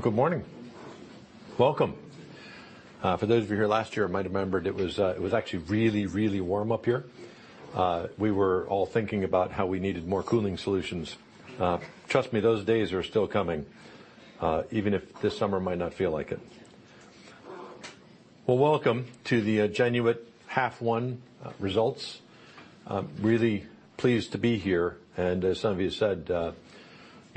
Good morning. Welcome. For those of you here last year might remember, it was actually really, really warm up here. We were all thinking about how we needed more cooling solutions. Trust me, those days are still coming, even if this summer might not feel like it. Well, welcome to the Genuit H1 Results. I'm really pleased to be here, and as some of you said,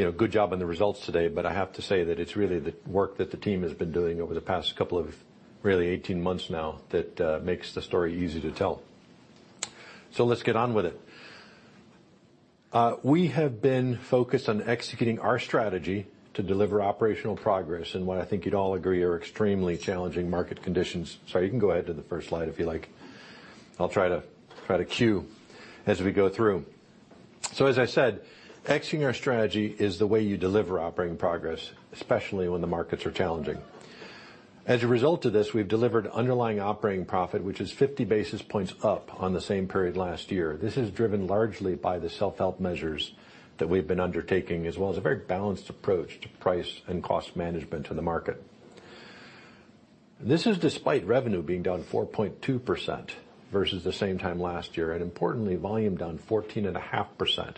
you know, good job on the results today, but I have to say that it's really the work that the team has been doing over the past couple of really 18 months now, that makes the story easy to tell. Let's get on with it. We have been focused on executing our strategy to deliver operational progress in what I think you'd all agree, are extremely challenging market conditions. Sorry, you can go ahead to the first slide if you like. I'll try to cue as we go through. As I said, exiting our strategy is the way you deliver operating progress, especially when the markets are challenging. As a result of this, we've delivered underlying operating profit, which is 50 basis points up on the same period last year. This is driven largely by the self-help measures that we've been undertaking, as well as a very balanced approach to price and cost management in the market. This is despite revenue being down 4.2% versus the same time last year, and importantly, volume down 14.5% underlying.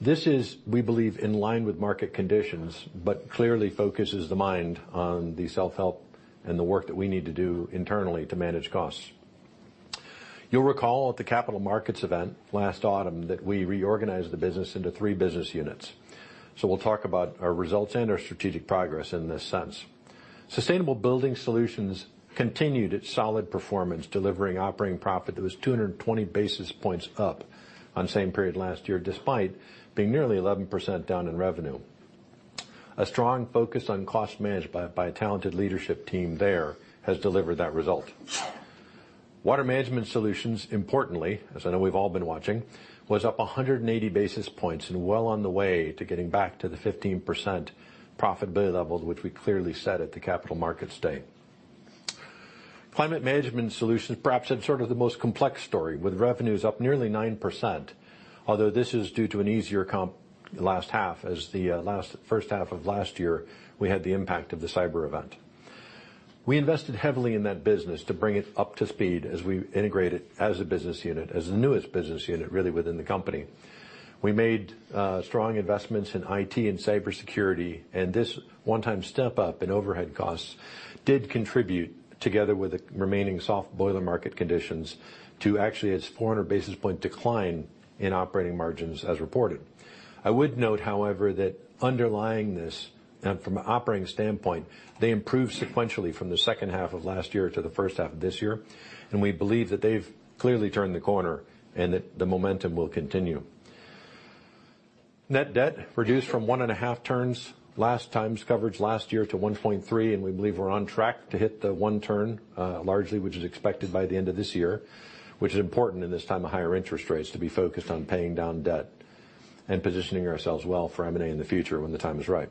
This is, we believe, in line with market conditions, but clearly focuses the mind on the self-help and the work that we need to do internally to manage costs. You'll recall at the capital markets event last autumn, that we reorganized the business into three business units. We'll talk about our results and our strategic progress in this sense. Sustainable Building Solutions continued its solid performance, delivering operating profit that was 220 basis points up on the same period last year, despite being nearly 11% down in revenue. A strong focus on cost management by a talented leadership team there, has delivered that result. Water Management Solutions, importantly, as I know we've all been watching, was up 180 basis points and well on the way to getting back to the 15% profitability levels, which we clearly set at the capital markets event. Climate Management Solutions, perhaps had sort of the most complex story, with revenues up nearly 9%, although this is due to an easier comp last half, as the last, first half of last year, we had the impact of the cyber event. We invested heavily in that business to bring it up to speed as we integrate it as a business unit, as the newest business unit, really, within the company. We made strong investments in IT and cybersecurity, and this one-time step up in overhead costs did contribute, together with the remaining soft boiler market conditions, to actually its 400 basis point decline in operating margins as reported. I would note, however, that underlying this, and from an operating standpoint, they improved sequentially from the second half of last year to the first half of this year, and we believe that they've clearly turned the corner and that the momentum will continue. Net debt reduced from 1.5 turns last time's coverage last year to 1.3, and we believe we're on track to hit the 1 turn, largely, which is expected by the end of this year. Which is important in this time of higher interest rates, to be focused on paying down debt and positioning ourselves well for M&A in the future, when the time is right.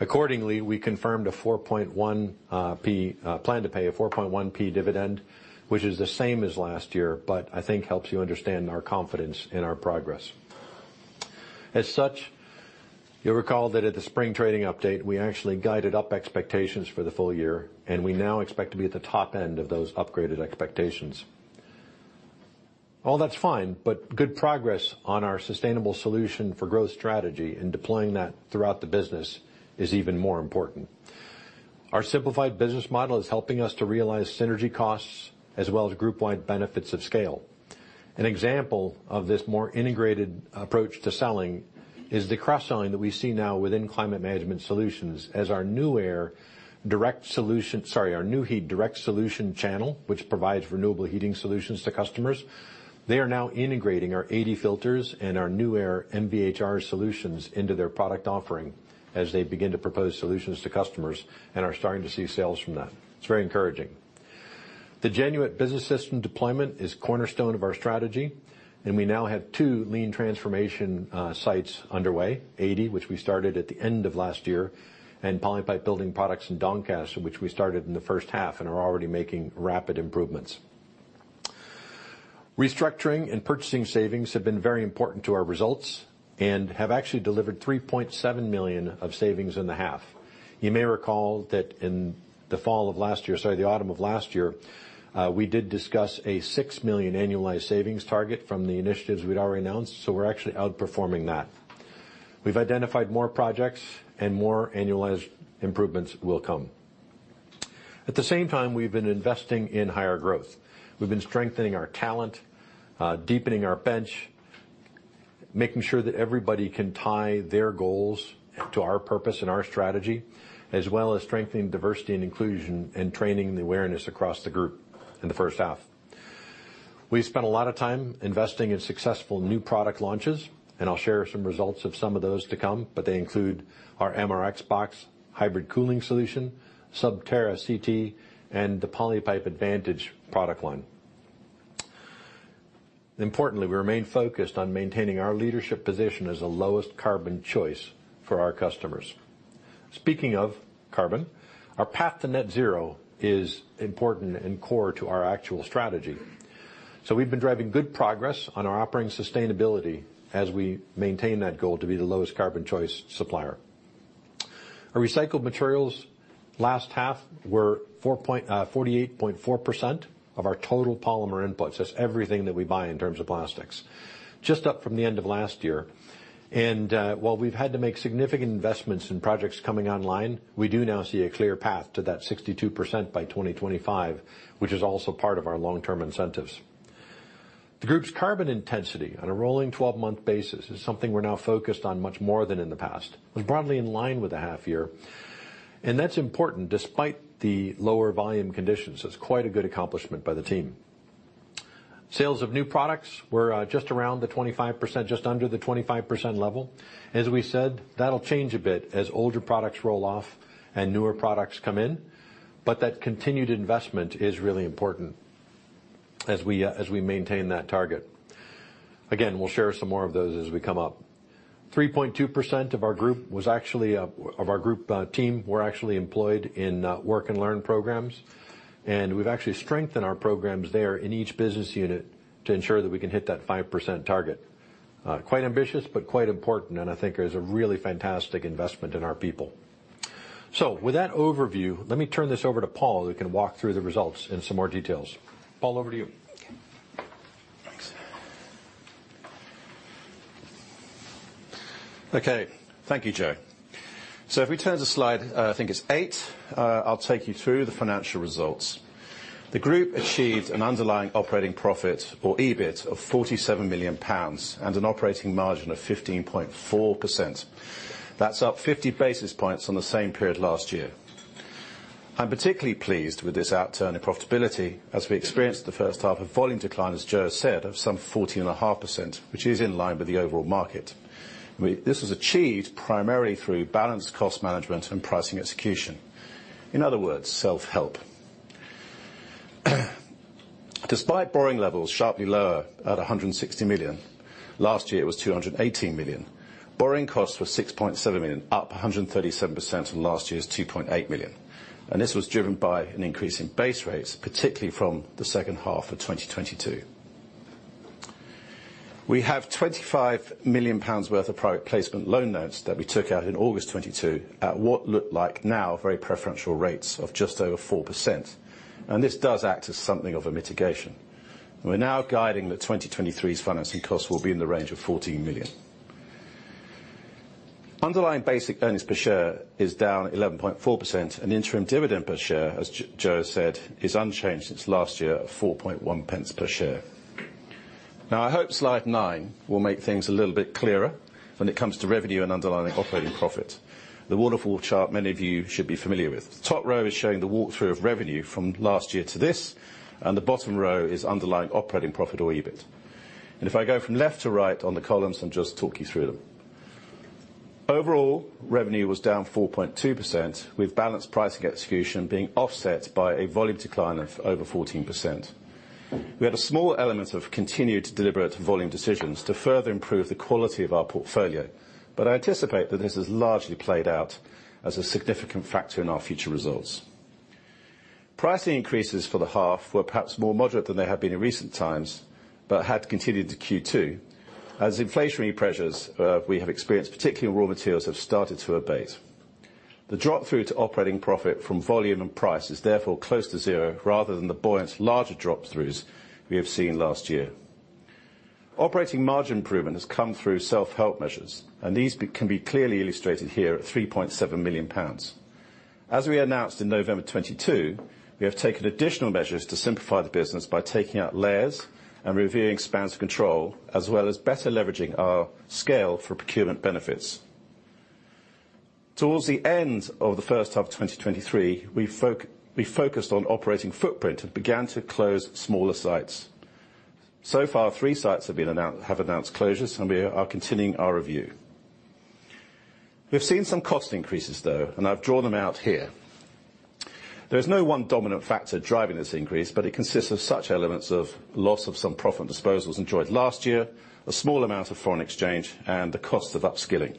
Accordingly, we confirmed a 4.1p plan to pay a 4.1p dividend, which is the same as last year, but I think helps you understand our confidence in our progress. As such, you'll recall that at the spring trading update, we actually guided up expectations for the full year, and we now expect to be at the top end of those upgraded expectations. All that's fine, good progress on our sustainable solution for growth strategy and deploying that throughout the business is even more important. Our simplified business model is helping us to realize synergy costs as well as group-wide benefits of scale. An example of this more integrated approach to selling is the cross-selling that we see now within Climate Management Solutions. As our Nu-Heat direct solution channel, which provides renewable heating solutions to customers, they are now integrating our ADEY filters and our Nuaire MVHR solutions into their product offering, as they begin to propose solutions to customers and are starting to see sales from that. It's very encouraging. The Genuit Business System deployment is cornerstone of our strategy, and we now have 2 lean transformation sites underway, ADEY, which we started at the end of last year, and Polypipe Building Products in Doncaster, which we started in the first half and are already making rapid improvements. Restructuring and purchasing savings have been very important to our results and have actually delivered 3.7 million of savings in the half. You may recall that in the fall of last year, sorry, the autumn of last year, we did discuss a 6 million annualized savings target from the initiatives we'd already announced, so we're actually outperforming that. We've identified more projects and more annualized improvements will come. At the same time, we've been investing in higher growth. We've been strengthening our talent, deepening our bench, making sure that everybody can tie their goals to our purpose and our strategy, as well as strengthening diversity and inclusion, and training the awareness across the group in the first half. We spent a lot of time investing in successful new product launches, and I'll share some results of some of those to come, but they include our MRXBOX Hybrid Cooling System, SubTerra CT, and the Polypipe Advantage product line. Importantly, we remain focused on maintaining our leadership position as the lowest carbon choice for our customers. Speaking of carbon, our path to net zero is important and core to our actual strategy. We've been driving good progress on our operating sustainability as we maintain that goal to be the lowest carbon choice supplier. Our recycled materials last half were 48.4% of our total polymer inputs. That's everything that we buy in terms of plastics. Just up from the end of last year. While we've had to make significant investments in projects coming online, we do now see a clear path to that 62% by 2025, which is also part of our long-term incentives. The group's carbon intensity on a rolling 12-month basis is something we're now focused on much more than in the past. It was broadly in line with the half year, and that's important, despite the lower volume conditions. That's quite a good accomplishment by the team. Sales of new products were just around the 25%, just under the 25% level. As we said, that'll change a bit as older products roll off and newer products come in, but that continued investment is really important as we as we maintain that target. Again, we'll share some more of those as we come up. 3.2% of our group was actually of our group team, were actually employed in earn and learn programs, and we've actually strengthened our programs there in each business unit to ensure that we can hit that 5% target. Quite ambitious, but quite important, and I think is a really fantastic investment in our people. With that overview, let me turn this over to Paul, who can walk through the results in some more details. Paul, over to you. Okay, thank you, Joe. If we turn to slide, I think it's 8, I'll take you through the financial results. The group achieved an underlying operating profit, or EBIT, of GBP 47 million, and an operating margin of 15.4%. That's up 50 basis points from the same period last year. I'm particularly pleased with this outturn in profitability, as we experienced the first half of volume decline, as Joe said, of some 14.5%, which is in line with the overall market. This was achieved primarily through balanced cost management and pricing execution. In other words, self-help. Despite borrowing levels sharply lower at 160 million, last year it was 218 million. Borrowing costs were 6.7 million, up 137% from last year's 2.8 million. This was driven by an increase in base rates, particularly from the second half of 2022. We have 25 million pounds worth of private placement loan notes that we took out in August 2022, at what looked like now very preferential rates of just over 4%. This does act as something of a mitigation. We're now guiding that 2023's financing costs will be in the range of 14 million. Underlying basic earnings per share is down 11.4%. Interim dividend per share, as Joe said, is unchanged since last year at 4.1 pence per share. Now, I hope slide nine will make things a little bit clearer when it comes to revenue and underlying operating profit. The waterfall chart, many of you should be familiar with. Top row is showing the walk-through of revenue from last year to this, the bottom row is underlying operating profit, or EBIT. If I go from left to right on the columns and just talk you through them. Overall, revenue was down 4.2%, with balanced pricing execution being offset by a volume decline of over 14%. We had a small element of continued deliberate volume decisions to further improve the quality of our portfolio, but I anticipate that this is largely played out as a significant factor in our future results. Pricing increases for the half were perhaps more moderate than they have been in recent times, but had continued to Q2. As inflationary pressures we have experienced, particularly in raw materials, have started to abate. The drop-through to operating profit from volume and price is therefore close to zero, rather than the buoyant larger drop-throughs we have seen last year. Operating margin improvement has come through self-help measures, and these can be clearly illustrated here at 3.7 million pounds. As we announced in November 2022, we have taken additional measures to simplify the business by taking out layers and reviewing spans of control, as well as better leveraging our scale for procurement benefits. Towards the end of the first half of 2023, we focused on operating footprint and began to close smaller sites. so far three sites have announced closures, and we are continuing our review. We've seen some cost increases, though, and I've drawn them out here. There is no one dominant factor driving this increase, but it consists of such elements of loss of some profit disposals enjoyed last year, a small amount of foreign exchange, and the cost of upskilling.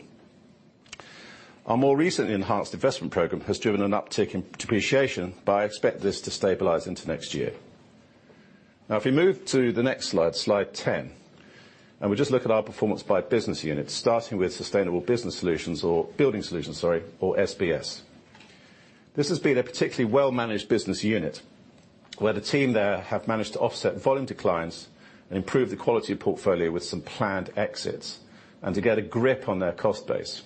Our more recently enhanced investment program has driven an uptick in depreciation, but I expect this to stabilize into next year. If we move to the next slide, slide 10, and we just look at our performance by business unit, starting with Sustainable Business Solutions or Building Solutions, sorry, or SBS. This has been a particularly well-managed business unit, where the team there have managed to offset volume declines and improve the quality of portfolio with some planned exits and to get a grip on their cost base.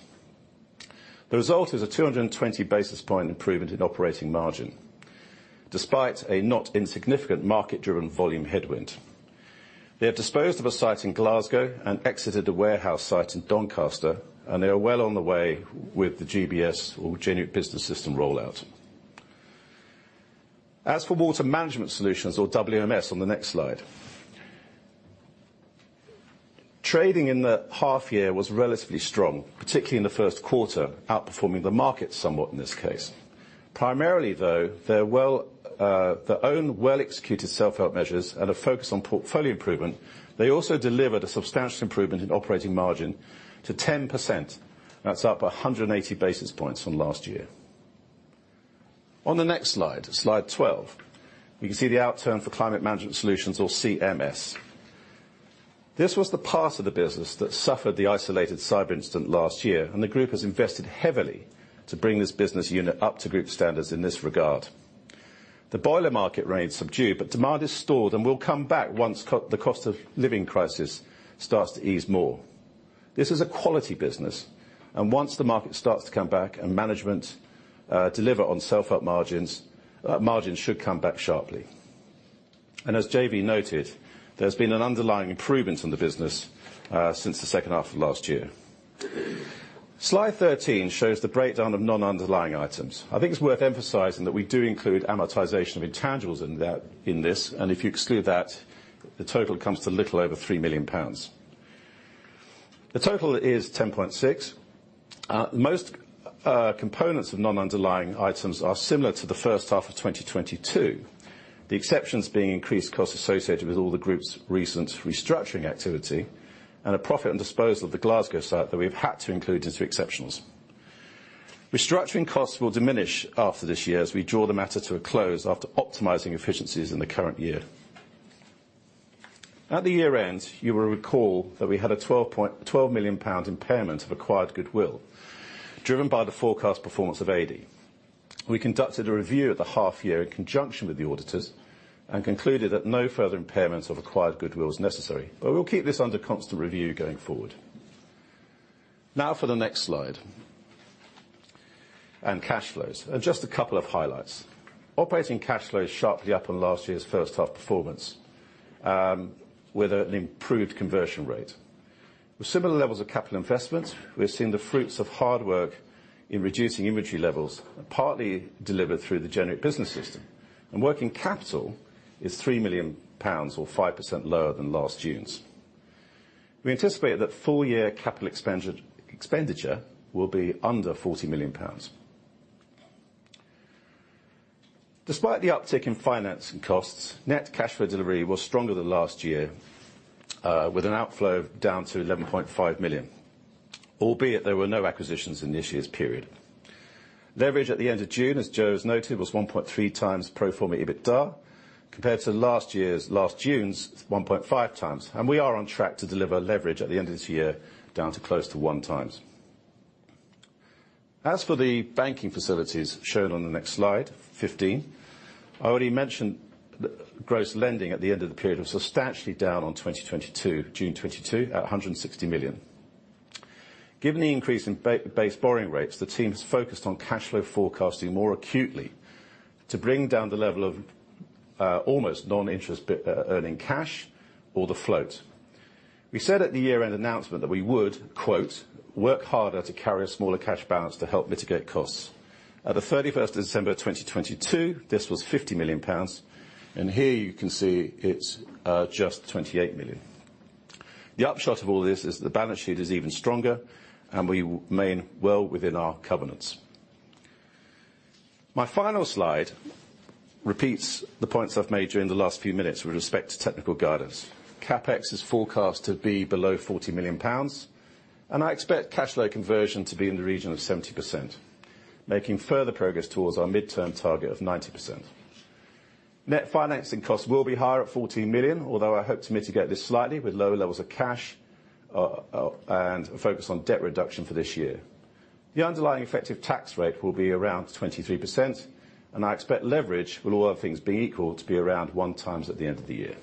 The result is a 220 basis point improvement in operating margin, despite a not insignificant market-driven volume headwind. They have disposed of a site in Glasgow and exited a warehouse site in Doncaster. They are well on the way with the GBS or Genuit Business System rollout. As for Water Management Solutions or WMS on the next slide, trading in the half year was relatively strong, particularly in the first quarter, outperforming the market somewhat in this case. Primarily, though, their own well-executed self-help measures and a focus on portfolio improvement, they also delivered a substantial improvement in operating margin to 10%. That's up 180 basis points from last year. On the next slide, slide 12, you can see the outturn for Climate Management Solutions or CMS. This was the part of the business that suffered the isolated cyber incident last year. The group has invested heavily to bring this business unit up to group standards in this regard. The boiler market remains subdued, demand is stored and will come back once the cost of living crisis starts to ease more. This is a quality business, once the market starts to come back and management deliver on self-help margins, margins should come back sharply. As J.V. noted, there's been an underlying improvement in the business since the second half of last year. Slide 13 shows the breakdown of non-underlying items. I think it's worth emphasizing that we do include amortization of intangibles in that, in this, and if you exclude that, the total comes to little over 3 million pounds. The total is 10.6. Most components of non-underlying items are similar to the first half of 2022, the exceptions being increased costs associated with all the group's recent restructuring activity and a profit on disposal of the Glasgow site that we've had to include into exceptions. Restructuring costs will diminish after this year as we draw the matter to a close after optimizing efficiencies in the current year. At the year-end, you will recall that we had a 12 million pound impairment of acquired goodwill, driven by the forecast performance of ADEY. We conducted a review at the half-year in conjunction with the auditors and concluded that no further impairments of acquired goodwill is necessary, but we'll keep this under constant review going forward. Now for the next slide, and cash flows, and just a couple of highlights. Operating cash flow is sharply up on last year's first half performance, with an improved conversion rate. With similar levels of capital investment, we've seen the fruits of hard work in reducing inventory levels, partly delivered through the Genuit Business System, and working capital is 3 million pounds, or 5% lower than last June's. We anticipate that full-year capital expenditure will be under 40 million pounds. Despite the uptick in financing costs, net cash flow delivery was stronger than last year, with an outflow down to 11.5 million, albeit there were no acquisitions in this year's period. Leverage at the end of June, as Joe has noted, was 1.3x pro forma EBITDA, compared to last year's, last June's, 1.5x. We are on track to deliver leverage at the end of this year down to close to 1x. As for the banking facilities shown on the next slide, 15, I already mentioned that gross lending at the end of the period was substantially down on 2022, June 2022, at 160 million. Given the increase in base borrowing rates, the team has focused on cash flow forecasting more acutely to bring down the level of almost non-interest earning cash or the float. We said at the year-end announcement that we would, quote, "Work harder to carry a smaller cash balance to help mitigate costs." At the 31st of December 2022, this was 50 million pounds, and here you can see it's just 28 million. The upshot of all this is the balance sheet is even stronger, we remain well within our covenants. My final slide repeats the points I've made during the last few minutes with respect to technical guidance. CapEx is forecast to be below 40 million pounds, and I expect cash flow conversion to be in the region of 70%, making further progress towards our midterm target of 90%. Net financing costs will be higher at 14 million, although I hope to mitigate this slightly with lower levels of cash and a focus on debt reduction for this year. The underlying effective tax rate will be around 23%. I expect leverage, with all other things being equal, to be around 1x at the end of the year.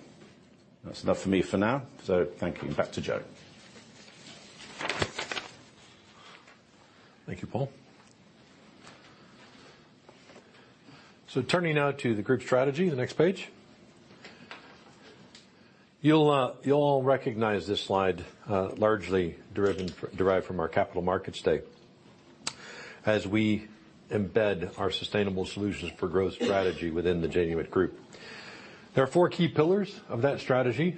That's enough for me for now. Thank you. Back to Joe. Thank you, Paul. Turning now to the group strategy, the next page. You'll, you'll all recognize this slide, largely derived from our capital markets day. As we embed our sustainable solutions for growth strategy within the Genuit Group. There are four key pillars of that strategy.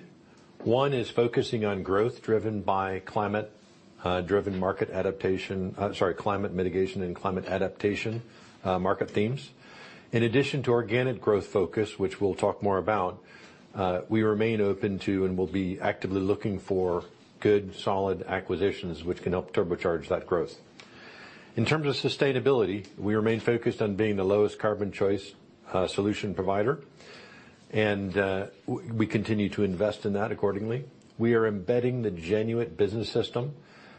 One is focusing on growth driven by climate-driven market adaptation. I'm sorry, climate mitigation and climate adaptation market themes. In addition to organic growth focus, which we'll talk more about, we remain open to and will be actively looking for good, solid acquisitions, which can help turbocharge that growth. In terms of sustainability, we remain focused on being the lowest carbon choice, solution provider, and we continue to invest in that accordingly. We are embedding the Genuit Business System,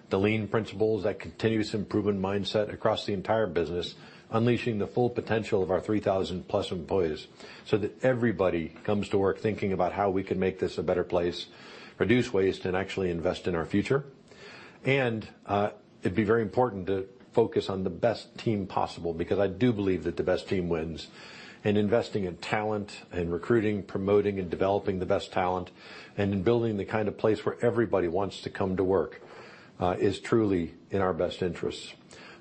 the lean principles, that continuous improvement mindset across the entire business, unleashing the full potential of our 3,000 plus employees, so that everybody comes to work thinking about how we can make this a better place, reduce waste, and actually invest in our future. It'd be very important to focus on the best team possible, because I do believe that the best team wins, and investing in talent and recruiting, promoting, and developing the best talent, and in building the kind of place where everybody wants to come to work, is truly in our best interests.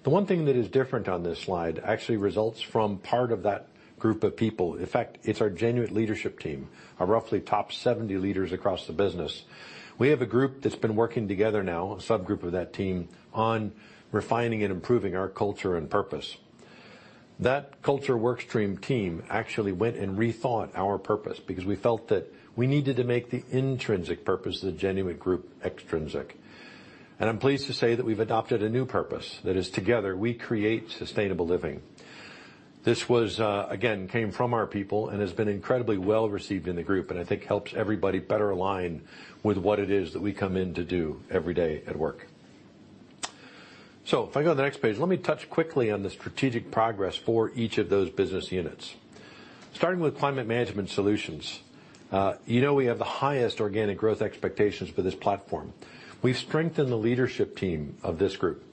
The one thing that is different on this slide actually results from part of that group of people. In fact, it's our Genuit leadership team, our roughly top 70 leaders across the business. We have a group that's been working together now, a subgroup of that team, on refining and improving our culture and purpose. That culture workstream team went and rethought our purpose because we felt that we needed to make the intrinsic purpose of the Genuit Group extrinsic. I'm pleased to say that we've adopted a new purpose, that is, together, we create sustainable living. This was, again, came from our people and has been incredibly well-received in the group, and I think helps everybody better align with what it is that we come in to do every day at work. If I go to the next page, let me touch quickly on the strategic progress for each of those business units. Starting with Climate Management Solutions, we have the highest organic growth expectations for this platform. We've strengthened the leadership team of this group.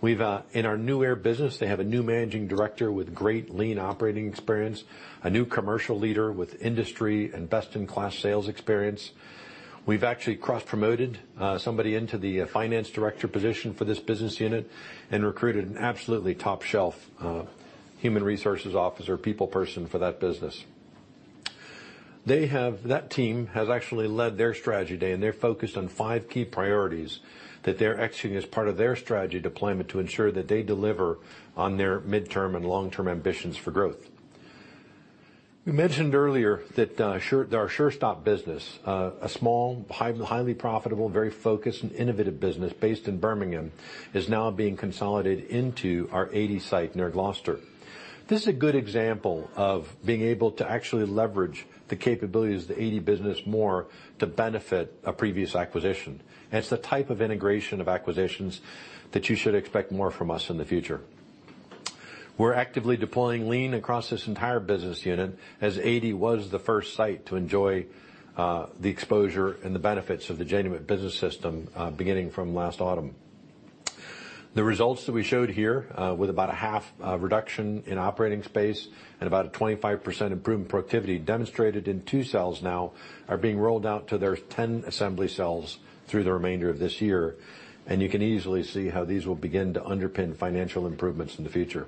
We've in our Nuaire business, they have a new managing director with great lean operating experience, a new commercial leader with industry and best-in-class sales experience. We've actually cross-promoted somebody into the finance director position for this business unit and recruited an absolutely top-shelf human resources officer, people person for that business. That team has actually led their strategy day, they're focused on 5 key priorities that they're executing as part of their strategy deployment to ensure that they deliver on their midterm and long-term ambitions for growth. We mentioned earlier that Surestop, our Surestop business, a small, highly profitable, very focused and innovative business based in Birmingham, is now being consolidated into our ADEY site near Gloucester. This is a good example of being able to actually leverage the capabilities of the ADEY business more to benefit a previous acquisition. It's the type of integration of acquisitions that you should expect more from us in the future. We're actively deploying lean across this entire business unit, as ADEY was the first site to enjoy the exposure and the benefits of the Genuit Business System beginning from last autumn. The results that we showed here, with about a half reduction in operating space and about a 25% improvement in productivity, demonstrated in 2 cells now, are being rolled out to their 10 assembly cells through the remainder of this year, and you can easily see how these will begin to underpin financial improvements in the future.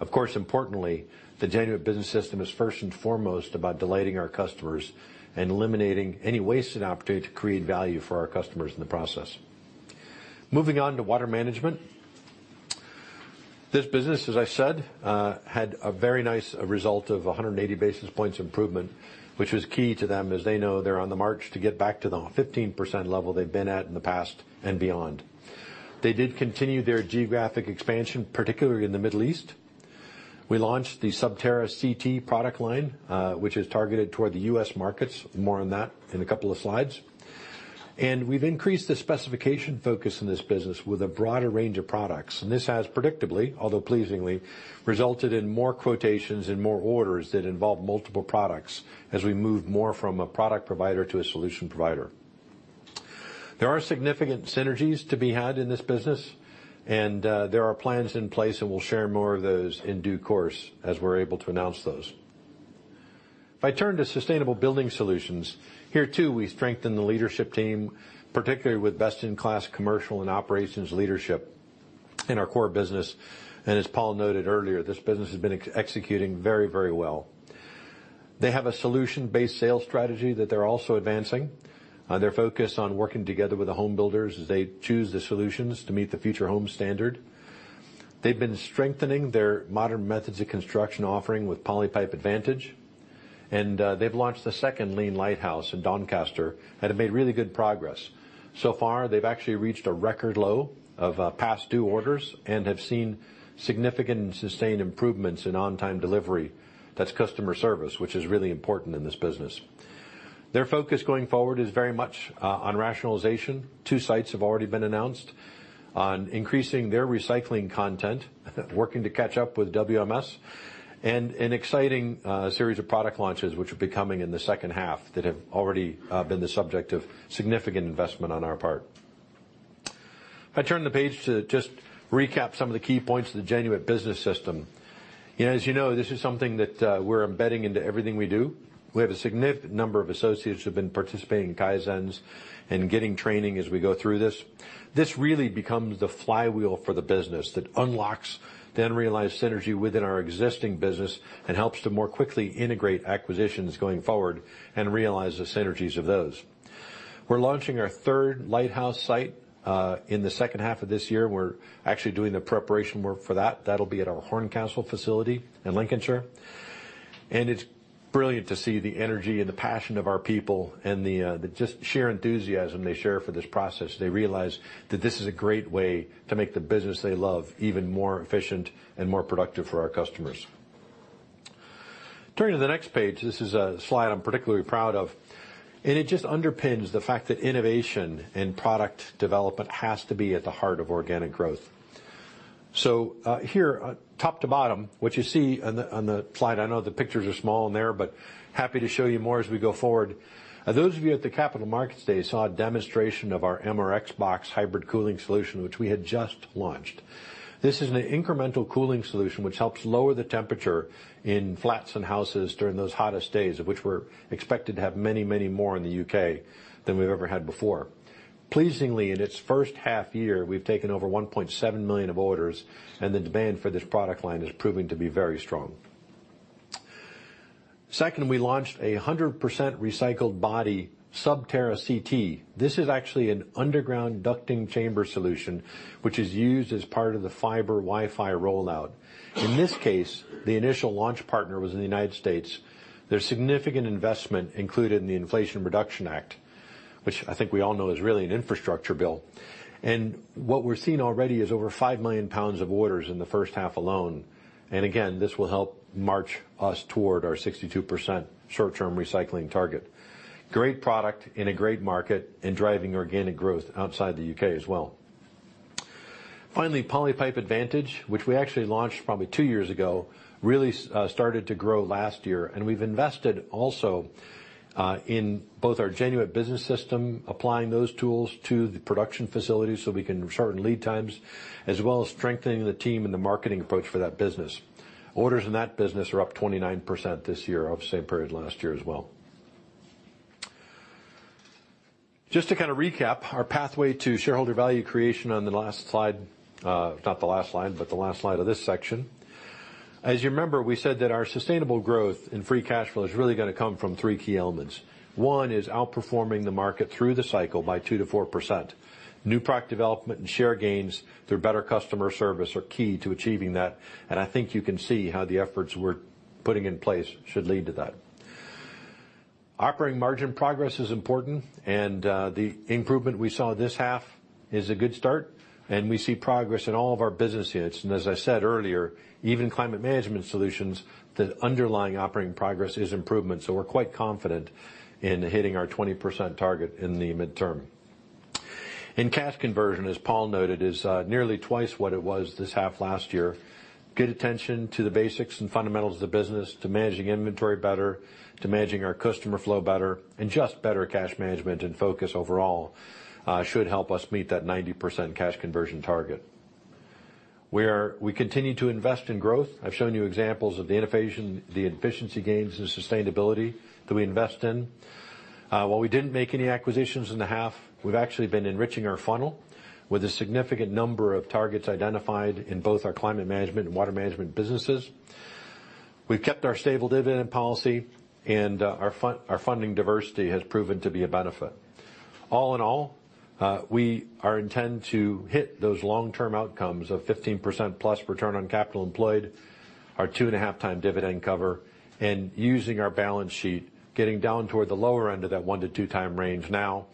Of course, importantly, the Genuit Business System is first and foremost about delighting our customers and eliminating any wasted opportunity to create value for our customers in the process. Moving on to Water Management. This business, as I said, had a very nice result of 180 basis points improvement, which was key to them as they know they're on the march to get back to the 15% level they've been at in the past and beyond. They did continue their geographic expansion, particularly in the Middle East. We launched the SubTerra CT product line, which is targeted toward the U.S. markets. More on that in two slides. We've increased the specification focus in this business with a broader range of products, and this has predictably, although pleasingly, resulted in more quotations and more orders that involve multiple products as we move more from a product provider to a solution provider. There are significant synergies to be had in this business, and there are plans in place, and we'll share more of those in due course as we're able to announce those. If I turn to Sustainable Building Solutions, here, too, we strengthen the leadership team, particularly with best-in-class commercial and operations leadership in our core business. As Paul noted earlier, this business has been executing very, very well. They have a solution-based sales strategy that they're also advancing. They're focused on working together with the home builders as they choose the solutions to meet the Future Homes Standard. They've been strengthening their modern methods of construction, offering with Polypipe Advantage, and they've launched the second Lean Lighthouse in Doncaster and have made really good progress. So far, they've actually reached a record low of past due orders and have seen significant and sustained improvements in on-time delivery. That's customer service, which is really important in this business. Their focus going forward is very much on rationalization. Two sites have already been announced. On increasing their recycling content, working to catch up with WMS, and an exciting series of product launches, which will be coming in the second half, that have already been the subject of significant investment on our part. If I turn the page to just recap some of the key points of the Genuit Business System. As you know, this is something that we're embedding into everything we do. We have a significant number of associates who've been participating in Kaizens and getting training as we go through this. This really becomes the flywheel for the business that unlocks the unrealized synergy within our existing business and helps to more quickly integrate acquisitions going forward and realize the synergies of those. We're launching our third lighthouse site in the second half of this year. We're actually doing the preparation work for that. That'll be at our Horncastle facility in Lincolnshire. It's brilliant to see the energy and the passion of our people and the just sheer enthusiasm they share for this process. They realize that this is a great way to make the business they love even more efficient and more productive for our customers. Turning to the next page, this is a slide I'm particularly proud of, and it just underpins the fact that innovation and product development has to be at the heart of organic growth. Here, top to bottom, what you see on the, on the slide, I know the pictures are small in there, but happy to show you more as we go forward. Those of you at the Capital Markets Day saw a demonstration of our MRXBOX Hybrid Cooling System, which we had just launched. This is an incremental cooling solution which helps lower the temperature in flats and houses during those hottest days, of which we're expected to have many, many more in the UK than we've ever had before. Pleasingly, in its first half year, we've taken over 1.7 million of orders, and the demand for this product line is proving to be very strong. Second, we launched a 100% recycled body, SubTerra CT. This is actually an underground ducting chamber solution, which is used as part of the fiber Wi-Fi rollout. In this case, the initial launch partner was in the United States. There's significant investment included in the Inflation Reduction Act, which I think we all know is really an infrastructure bill. What we're seeing already is over 5 million pounds of orders in the first half alone. Again, this will help march us toward our 62% short-term recycling target. Great product in a great market and driving organic growth outside the U.K. as well. Finally, Polypipe Advantage, which we actually launched probably two years ago, really started to grow last year, and we've invested also, in both our Genuit Business System, applying those tools to the production facilities so we can shorten lead times, as well as strengthening the team and the marketing approach for that business. Orders in that business are up 29% this year, off the same period last year as well. Just to kind of recap, our pathway to shareholder value creation on the last slide, not the last slide, but the last slide of this section. As you remember, we said that our sustainable growth in free cash flow is really going to come from three key elements. One, is outperforming the market through the cycle by 2%-4%. New product development and share gains through better customer service are key to achieving that, I think you can see how the efforts we're putting in place should lead to that. Operating margin progress is important, the improvement we saw this half is a good start, we see progress in all of our business units. As I said earlier, even Climate Management Solutions, the underlying operating progress is improvement, so we're quite confident in hitting our 20% target in the midterm. In cash conversion, as Paul noted, is nearly twice what it was this half last year. Good attention to the basics and fundamentals of the business, to managing inventory better, to managing our customer flow better, and just better cash management and focus overall, should help us meet that 90% cash conversion target. We continue to invest in growth. I've shown you examples of the innovation, the efficiency gains, and sustainability that we invest in. While we didn't make any acquisitions in the half, we've actually been enriching our funnel with a significant number of targets identified in both our Climate Management and Water Management businesses. We've kept our stable dividend policy, and our funding diversity has proven to be a benefit. All in all, we are intend to hit those long-term outcomes of 15%+ Return on Capital Employed, our 2.5x dividend cover, and using our balance sheet, getting down toward the lower end of that 1x-2x range now,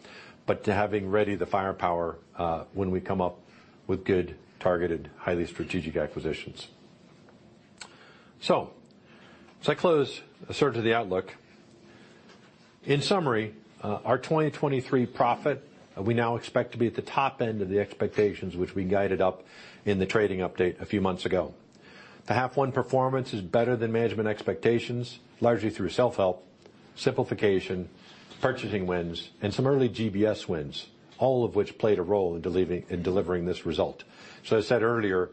but to having ready the firepower, when we come up with good, targeted, highly strategic acquisitions. As I close, assert to the outlook. In summary, our 2023 profit, we now expect to be at the top end of the expectations which we guided up in the trading update a few months ago. The H1 performance is better than management expectations, largely through self-help, simplification, purchasing wins, and some early GBS wins, all of which played a role in delivering, in delivering this result. As I said earlier,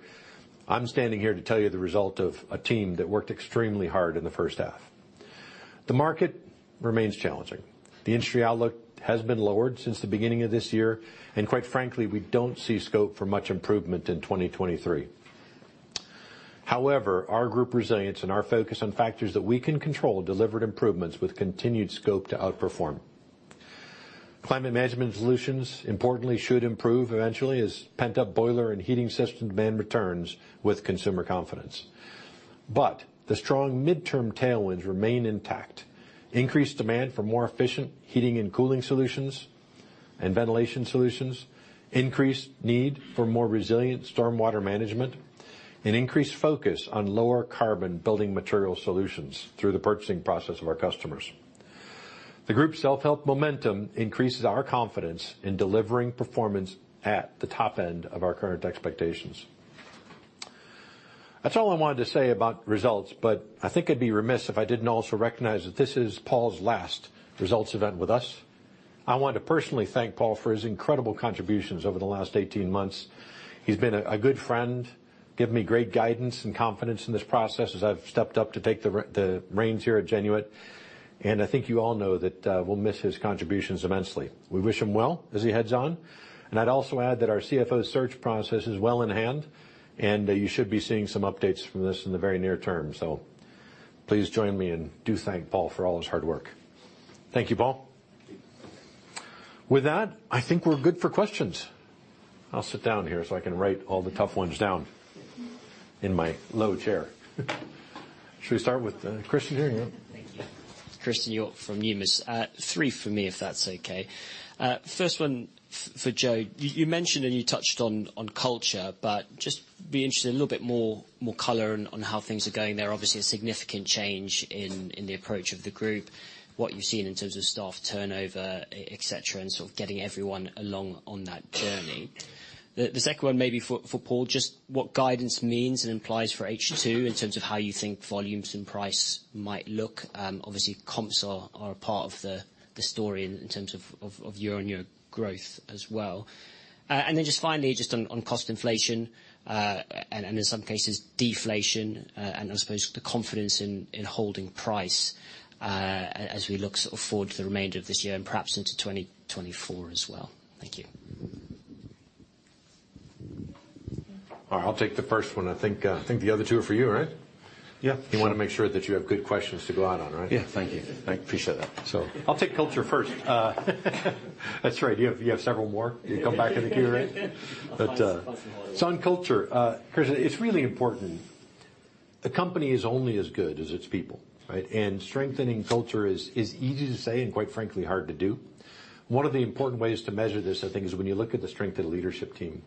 I'm standing here to tell you the result of a team that worked extremely hard in the first half. The market remains challenging. The industry outlook has been lowered since the beginning of this year, and quite frankly, we don't see scope for much improvement in 2023. However, our group resilience and our focus on factors that we can control delivered improvements with continued scope to outperform. Climate Management Solutions, importantly, should improve eventually as pent-up boiler and heating system demand returns with consumer confidence. The strong midterm tailwinds remain intact. Increased demand for more efficient heating and cooling solutions and ventilation solutions, increased need for more resilient stormwater management, an increased focus on lower carbon building material solutions through the purchasing process of our customers. The group's self-help momentum increases our confidence in delivering performance at the top end of our current expectations. That's all I wanted to say about results, but I think it'd be remiss if I didn't also recognize that this is Paul's last results event with us. I want to personally thank Paul for his incredible contributions over the last 18 months. He's been a good friend, given me great guidance and confidence in this process as I've stepped up to take the reins here at Genuit. I think you all know that we'll miss his contributions immensely. We wish him well as he heads on, and I'd also add that our CFO search process is well in hand, and you should be seeing some updates from this in the very near term. Please join me and do thank Paul for all his hard work. Thank you, Paul. With that, I think we're good for questions. I'll sit down here so I can write all the tough ones down in my low chair. Should we start with Christian here? Yeah. Thank you. Christian Hjorth from Numis. Three for me, if that's okay. First one for Joe, you, you mentioned, and you touched on, on culture, but just be interested a little b more color on, on how things are going there. Obviously, a significant change in, in the approach of the group, what you've seen in terms of staff turnover, et cetera, and sort of getting everyone along on that journey. The second one may be for Paul, just what guidance means and implies for H2 in terms of how you think volumes and price might look. Obviously, comps are a part of the story in terms of year-on-year growth as well. Then just finally, just on, on cost inflation, and, and in some cases, deflation, and I suppose the confidence in, in holding price, as we look sort of forward to the remainder of this year and perhaps into 2024 as well. Thank you. All right, I'll take the first one. I think, I think the other two are for you, right? Yeah. You wanna make sure that you have good questions to go out on, right? Yeah. Thank you. I appreciate that. I'll take culture first. That's right, you have, you have several more. You come back to the queue, right? So on culture, Chris, it's really important. The company is only as good as its people, right? Strengthening culture is, is easy to say and, quite frankly, hard to do. One of the important ways to measure this, I think, is when you look at the strength of the leadership team.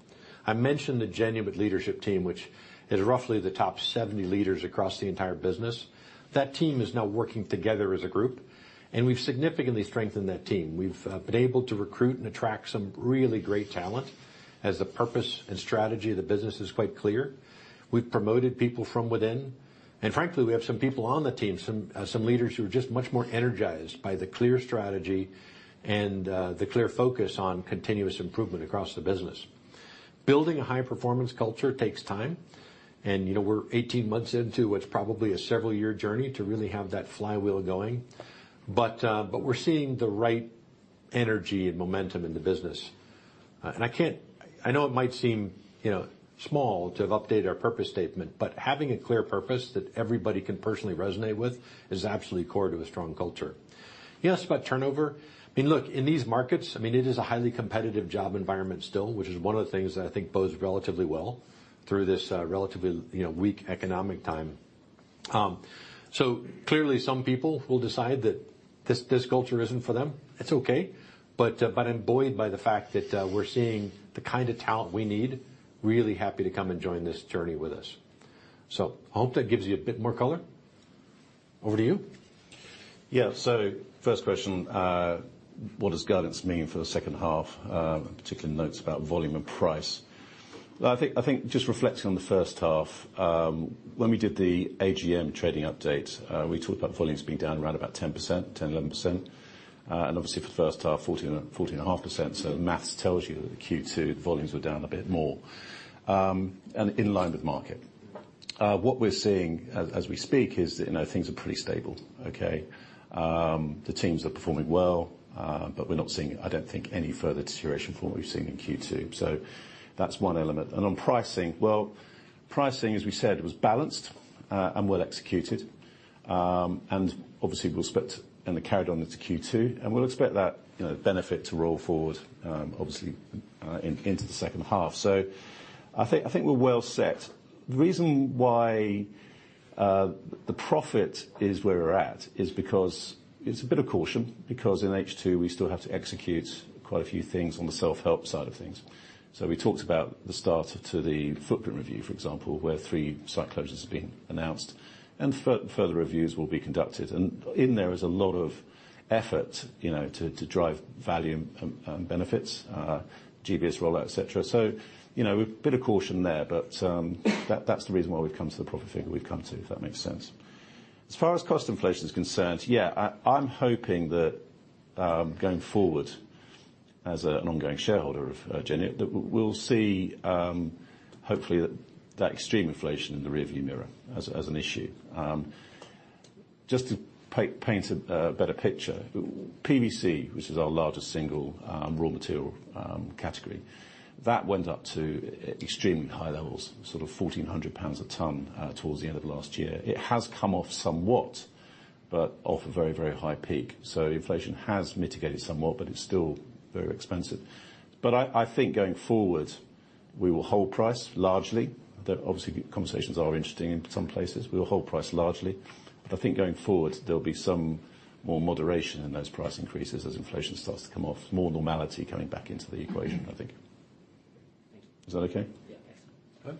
I mentioned the Genuit leadership team, which is roughly the top 70 leaders across the entire business. That team is now working together as a group, and we've significantly strengthened that team. We've been able to recruit and attract some really great talent, as the purpose and strategy of the business is quite clear. We've promoted people from within. Frankly, we have some people on the team, some, some leaders who are just much more energized by the clear strategy and the clear focus on continuous improvement across the business. Building a high-performance culture takes time, you know, we're 18 months into what's probably a several-year journey to really have that flywheel going. We're seeing the right energy and momentum in the business. I know it might seem, you know, small to have updated our purpose statement, but having a clear purpose that everybody can personally resonate with is absolutely core to a strong culture. You asked about turnover. Look, in these markets, I mean, it is a highly competitive job environment still, which is one of the things that I think bodes relatively well through this, relatively, you know, weak economic time. Clearly, some people will decide that this, this culture isn't for them. It's okay, but, but I'm buoyed by the fact that, we're seeing the kind of talent we need, really happy to come and join this journey with us. I hope that gives you a bit more color. Over to you. Yeah. First question, what does guidance mean for the second half, particularly notes about volume and price? I think just reflecting on the first half, when we did the AGM trading update, we talked about volumes being down around about 10%, 10%, 11%. Obviously, for the first half, 14%, 14.5%, so the math tells you that the Q2 volumes were down a bit more and in line with market. What we're seeing as we speak is that, you know, things are pretty stable, okay? The teams are performing well, we're not seeing, I don't think, any further deterioration from what we've seen in Q2. That's one element. On pricing, well, pricing, as we said, was balanced and well executed. Obviously, we'll split and carried on into Q2, and we'll expect that benefit to roll forward, obviously, into the second half. I think, I think we're well set. The reason why the profit is where we're at is because it's a bit of caution, because in H2, we still have to execute quite a few things on the self-help side of things. We talked about the start to the footprint review, for example, where three site closures have been announced, and further reviews will be conducted. In there is a lot of effort, you know, to drive value and benefits, GBS rollout, et cetera. You know, a bit of caution there, but that's the reason why we've come to the profit figure we've come to, if that makes sense. As far as cost inflation is concerned, yeah, I, I'm hoping that, going forward, as an ongoing shareholder of Genuit, that we'll see, hopefully that extreme inflation in the rearview mirror as, as an issue. Just to paint, paint a, a better picture, PVC, which is our largest single raw material category, that went up to extremely high levels, sort of 1,400 pounds a ton, towards the end of last year. It has come off somewhat, but off a very high peak. Inflation has mitigated somewhat, but it's still very expensive. I, I think going forward, we will hold price largely, though obviously, conversations are interesting in some places. We will hold price largely. I think going forward, there'll be some more moderation in those price increases as inflation starts to come off. More normality coming back into the equation, I think. Is that okay? Yeah.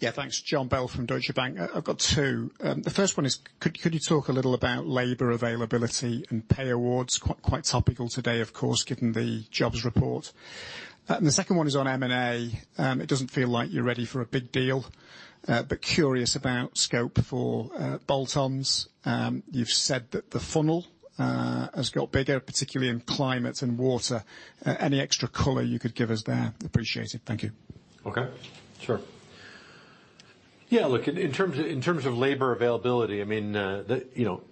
Yeah, thanks. Jon Bell from Deutsche Bank. I've got two. The first one is, could, could you talk a little about labor availability and pay awards? Quite, quite topical today, of course, given the jobs report. The second one is on M&A. It doesn't feel like you're ready for a big deal, but curious about scope for bolt-ons. You've said that the funnel has got bigger, particularly in climate and water. Any extra color you could give us there? Appreciate it. Thank you. Okay, sure. Yeah, look, in, in terms of, in terms of labor availability, I mean, you know,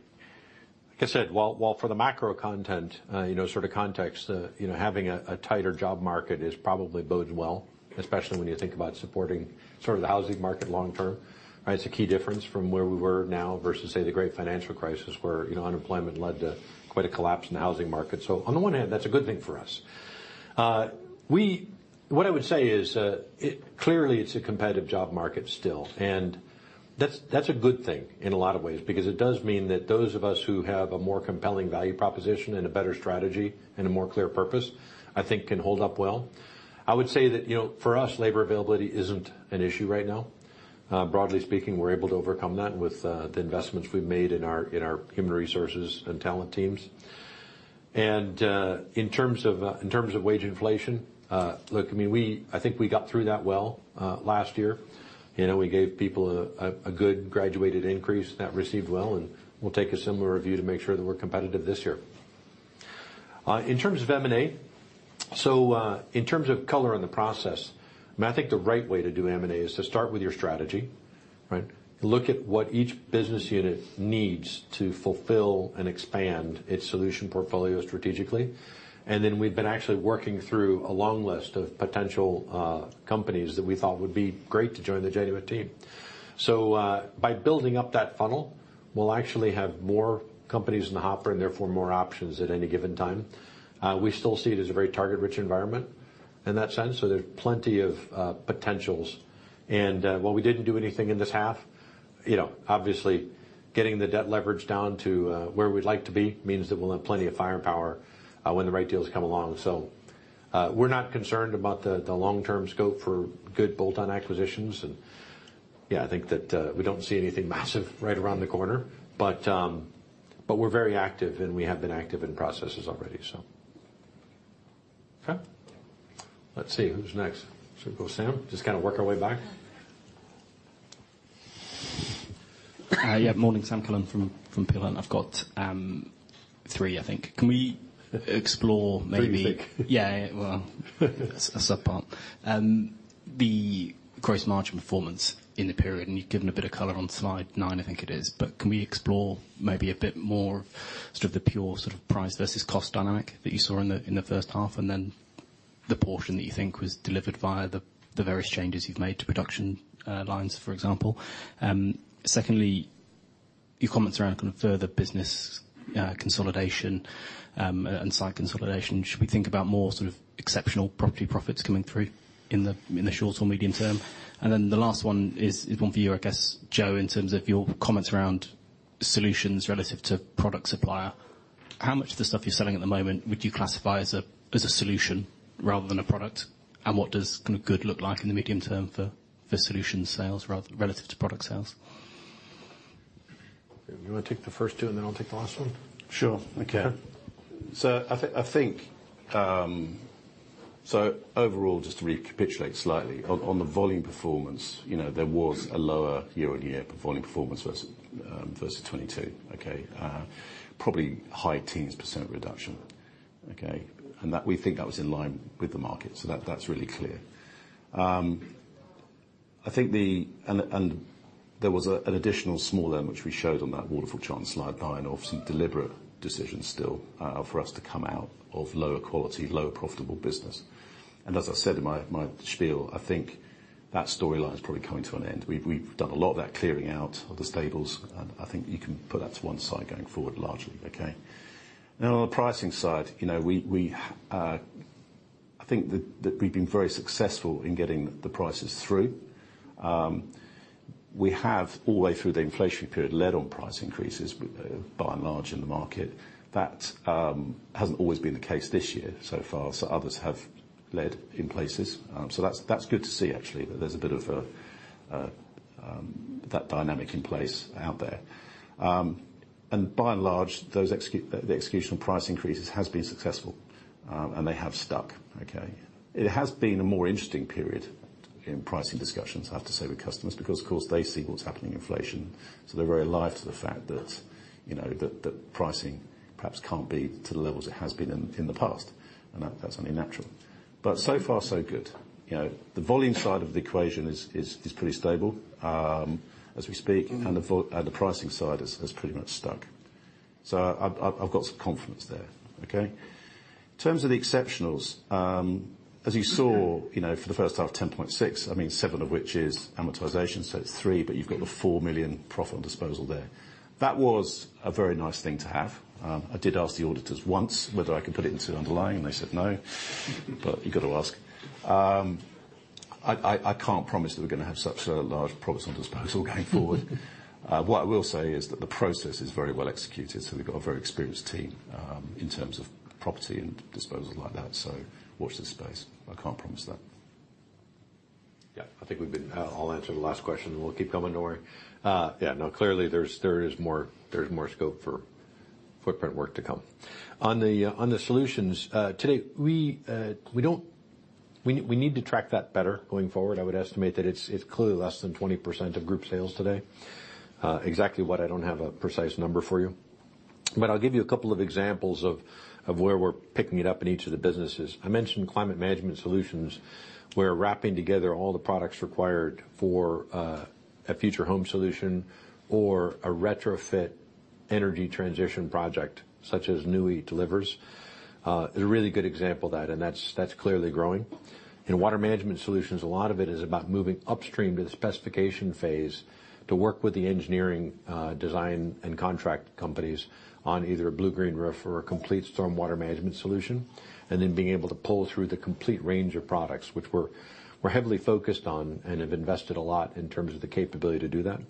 like I said, while, while for the macro content, you know, sort of context, you know, having a, a tighter job market is probably boding well, especially when you think about supporting sort of the housing market long term, right? It's a key difference from where we were now versus, say, the great financial crisis, where, you know, unemployment led to quite a collapse in the housing market. On the one hand, that's a good thing for us. What I would say is, it, clearly, it's a competitive job market still, and that's, that's a good thing in a lot of ways, because it does mean that those of us who have a more compelling value proposition and a better strategy and a more clear purpose can hold up well. I would say that, you know, for us, labor availability isn't an issue right now. Broadly speaking, we're able to overcome that with the investments we've made in our, in our human resources and talent teams. In terms of wage inflation, look, I mean, I think we got through that well last year. You know, we gave people a good graduated increase. That received well, and we'll take a similar review to make sure that we're competitive this year. In terms of M&A, in terms of color in the process, I think the right way to do M&A is to start with your strategy. Right? Look at what each business unit needs to fulfill and expand its solution portfolio strategically. We've been actually working through a long list of potential companies that we thought would be great to join the Genuit team. By building up that funnel, we'll actually have more companies in the hopper and therefore more options at any given time. We still see it as a very target-rich environment in that sense, so there's plenty of potentials. While we didn't do anything in this half obviously, getting the debt leverage down to where we'd like to be, means that we'll have plenty of firepower when the right deals come along. We're not concerned about the, the long-term scope for good bolt-on acquisitions. Yeah, I think that, we don't see anything massive right around the corner, but we're very active, and we have been active in processes already, so. Okay. Let's see, who's next? Should we go, Sam? Just kinda work our way back. Yeah. Morning, Sam Cullen from Peel Hunt. I've got, three, I think. Can we explore maybe. 3, you think? Yeah, well, a subpart. The gross margin performance in the period, you've given a bit of color on slide nine, I think it is. Can we explore maybe a bit more sort of the pure sort of price versus cost dynamic that you saw in the first half, and then the portion that you think was delivered via the various changes you've made to production lines, for example? Secondly, your comments around kind of further business consolidation and site consolidation. Should we think about more sort of exceptional property profits coming through in the short or medium term? Then the last one is, is one for you, I guess, Joe, in terms of your comments around solutions relative to product supplier. How much of the stuff you're selling at the moment would you classify as a, as a solution rather than a product? What does kinda good look like in the medium term for, for solution sales relative to product sales? You wanna take the first two, and then I'll take the last one? Sure, I can. I think. Overall, just to recapitulate slightly, on, on the volume performance, there was a lower year-on-year volume performance versus, versus 2022, okay? probably high teens % reduction, okay? That, we think that was in line with the market, so that, that's really clear. There was a, an additional small element which we showed on that waterfall chart on slide nine of some deliberate decisions still, for us to come out of lower quality, lower profitable business. As I said in my, my spiel, I think that storyline is probably coming to an end. We've done a lot of that clearing out of the stables, and I think you can put that to one side going forward, largely, okay? On the pricing side, you know, we, we, I think that, that we've been very successful in getting the prices through. We have, all the way through the inflation period, led on price increases, by and large, in the market. That hasn't always been the case this year so far, so others have led in places. So that's, that's good to see, actually, that there's a bit of a, that dynamic in place out there. By and large, those exec- the execution of price increases has been successful, and they have stuck, okay? It has been a more interesting period in pricing discussions, I have to say, with customers, because, of course, they see what's happening in inflation, so they're very alive to the fact that pricing perhaps can't be to the levels it has been in, in the past, and that-that's only natural. So far, so good. The volume side of the equation is, is, is pretty stable, as we speak, and the pricing side has, has pretty much stuck. I've got some confidence there, okay? In terms of the exceptionals, as you saw, for the first half, 10.6, I mean, 7 of which is amortization, so it's 3, but you've got the 4 million profit on disposal there. That was a very nice thing to have. I did ask the auditors once whether I could put it into underlying, and they said no, but you got to ask. I can't promise that we're gonna have such a large profits on disposal going forward. What I will say is that the process is very well executed, so we've got a very experienced team in terms of property and disposal like that, so watch this space. I can't promise that. Yeah, I think we've been, I'll answer the last question, and we'll keep coming to worry. Yeah, no, clearly, there's more scope for footprint work to come. On the, on the solutions, today, we need to track that better going forward. I would estimate that it's, it's clearly less than 20% of group sales today. Exactly what, I don't have a precise number for you. I'll give you a couple of examples of, of where we're picking it up in each of the businesses. I mentioned Climate Management Solutions, where wrapping together all the products required for, a future home solution or a retrofit energy transition project, such as Nu-Heat, is a really good example of that, and that's, that's clearly growing. In water management solutions, a lot of it is about moving upstream to the specification phase to work with the engineering, design, and contract companies on either a Blue-green roof or a complete stormwater management solution, and then being able to pull through the complete range of products, which we're, we're heavily focused on and have invested a lot in terms of the capability to do that.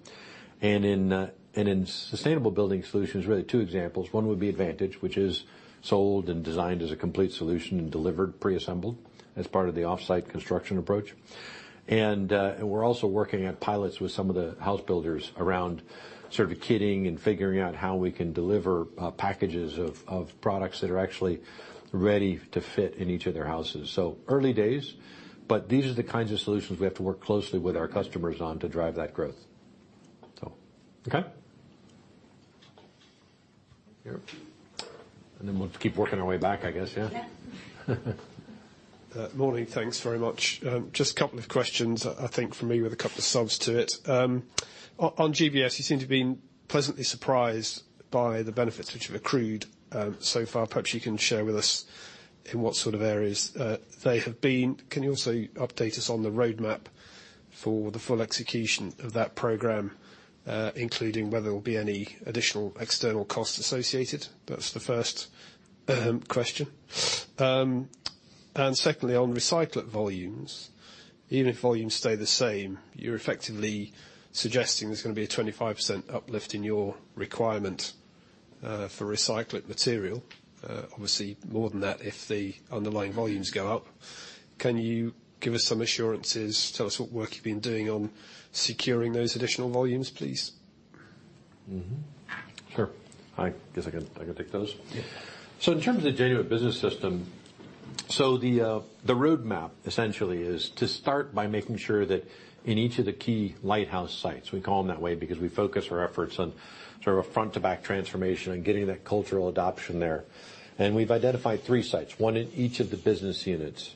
In sustainable building solutions, really two examples. One would be Advantage, which is sold and designed as a complete solution and delivered preassembled as part of the offsite construction approach. And we're also working on pilots with some of the house builders around sort of kitting and figuring out how we can deliver packages of products that are actually ready to fit in each of their houses. Early days, but these are the kinds of solutions we have to work closely with our customers on to drive that growth. Okay? Yep, then we'll keep working our way back, I guess. Yeah? Yeah. Morning. Thanks very much. Just a couple of questions, I, I think, for me, with a couple of subs to it. On GBS, you seem to have been pleasantly surprised by the benefits which have accrued so far. Perhaps you can share with us in what sort of areas they have been. Can you also update us on the roadmap for the full execution of that program, including whether there will be any additional external costs associated? That's the first question. Secondly, on recyclate volumes, even if volumes stay the same, you're effectively suggesting there's gonna be a 25% uplift in your requirement for recyclate material. Obviously, more than that, if the underlying volumes go up. Can you give us some assurances, tell us what work you've been doing on securing those additional volumes, please? Mm-hmm. Sure. I guess I can, I can take those. Yeah. In terms of the Genuit Business System, so the roadmap essentially is to start by making sure that in each of the key lighthouse sites, we call them that way because we focus our efforts on sort of a front-to-back transformation and getting that cultural adoption there. We've identified three sites, one in each of the business units,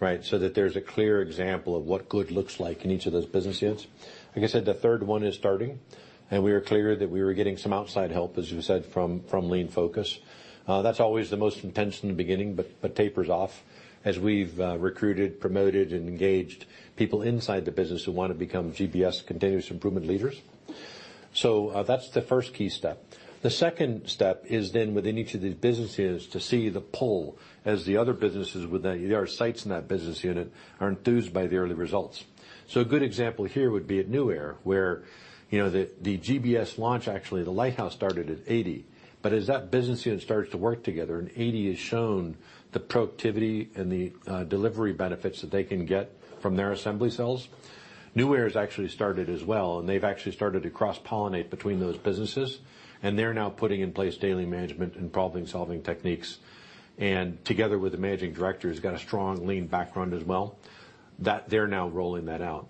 right? That there's a clear example of what good looks like in each of those business units. Like I said, the third one is starting, and we are clear that we are getting some outside help, as you said from Lean Focus. that's always the most intense in the beginning, but, but tapers off as we've recruited, promoted, and engaged people inside the business who want to become GBS continuous improvement leaders. That's the first key step. The second step is, within each of these businesses, to see the pull as the other businesses with their sites in that business unit, are enthused by the early results. A good example here would be at Nuaire, where, you know, the GBS launch, actually, the lighthouse started at Adey. But as that business unit starts to work together, and Adey has shown the productivity and the delivery benefits that they can get from their assembly cells, Nuaire has actually started as well, and they've actually started to cross-pollinate between those businesses, and they're now putting in place daily management and problem-solving techniques. Together with the managing director, who's got a strong lean background as well, that they're now rolling that out.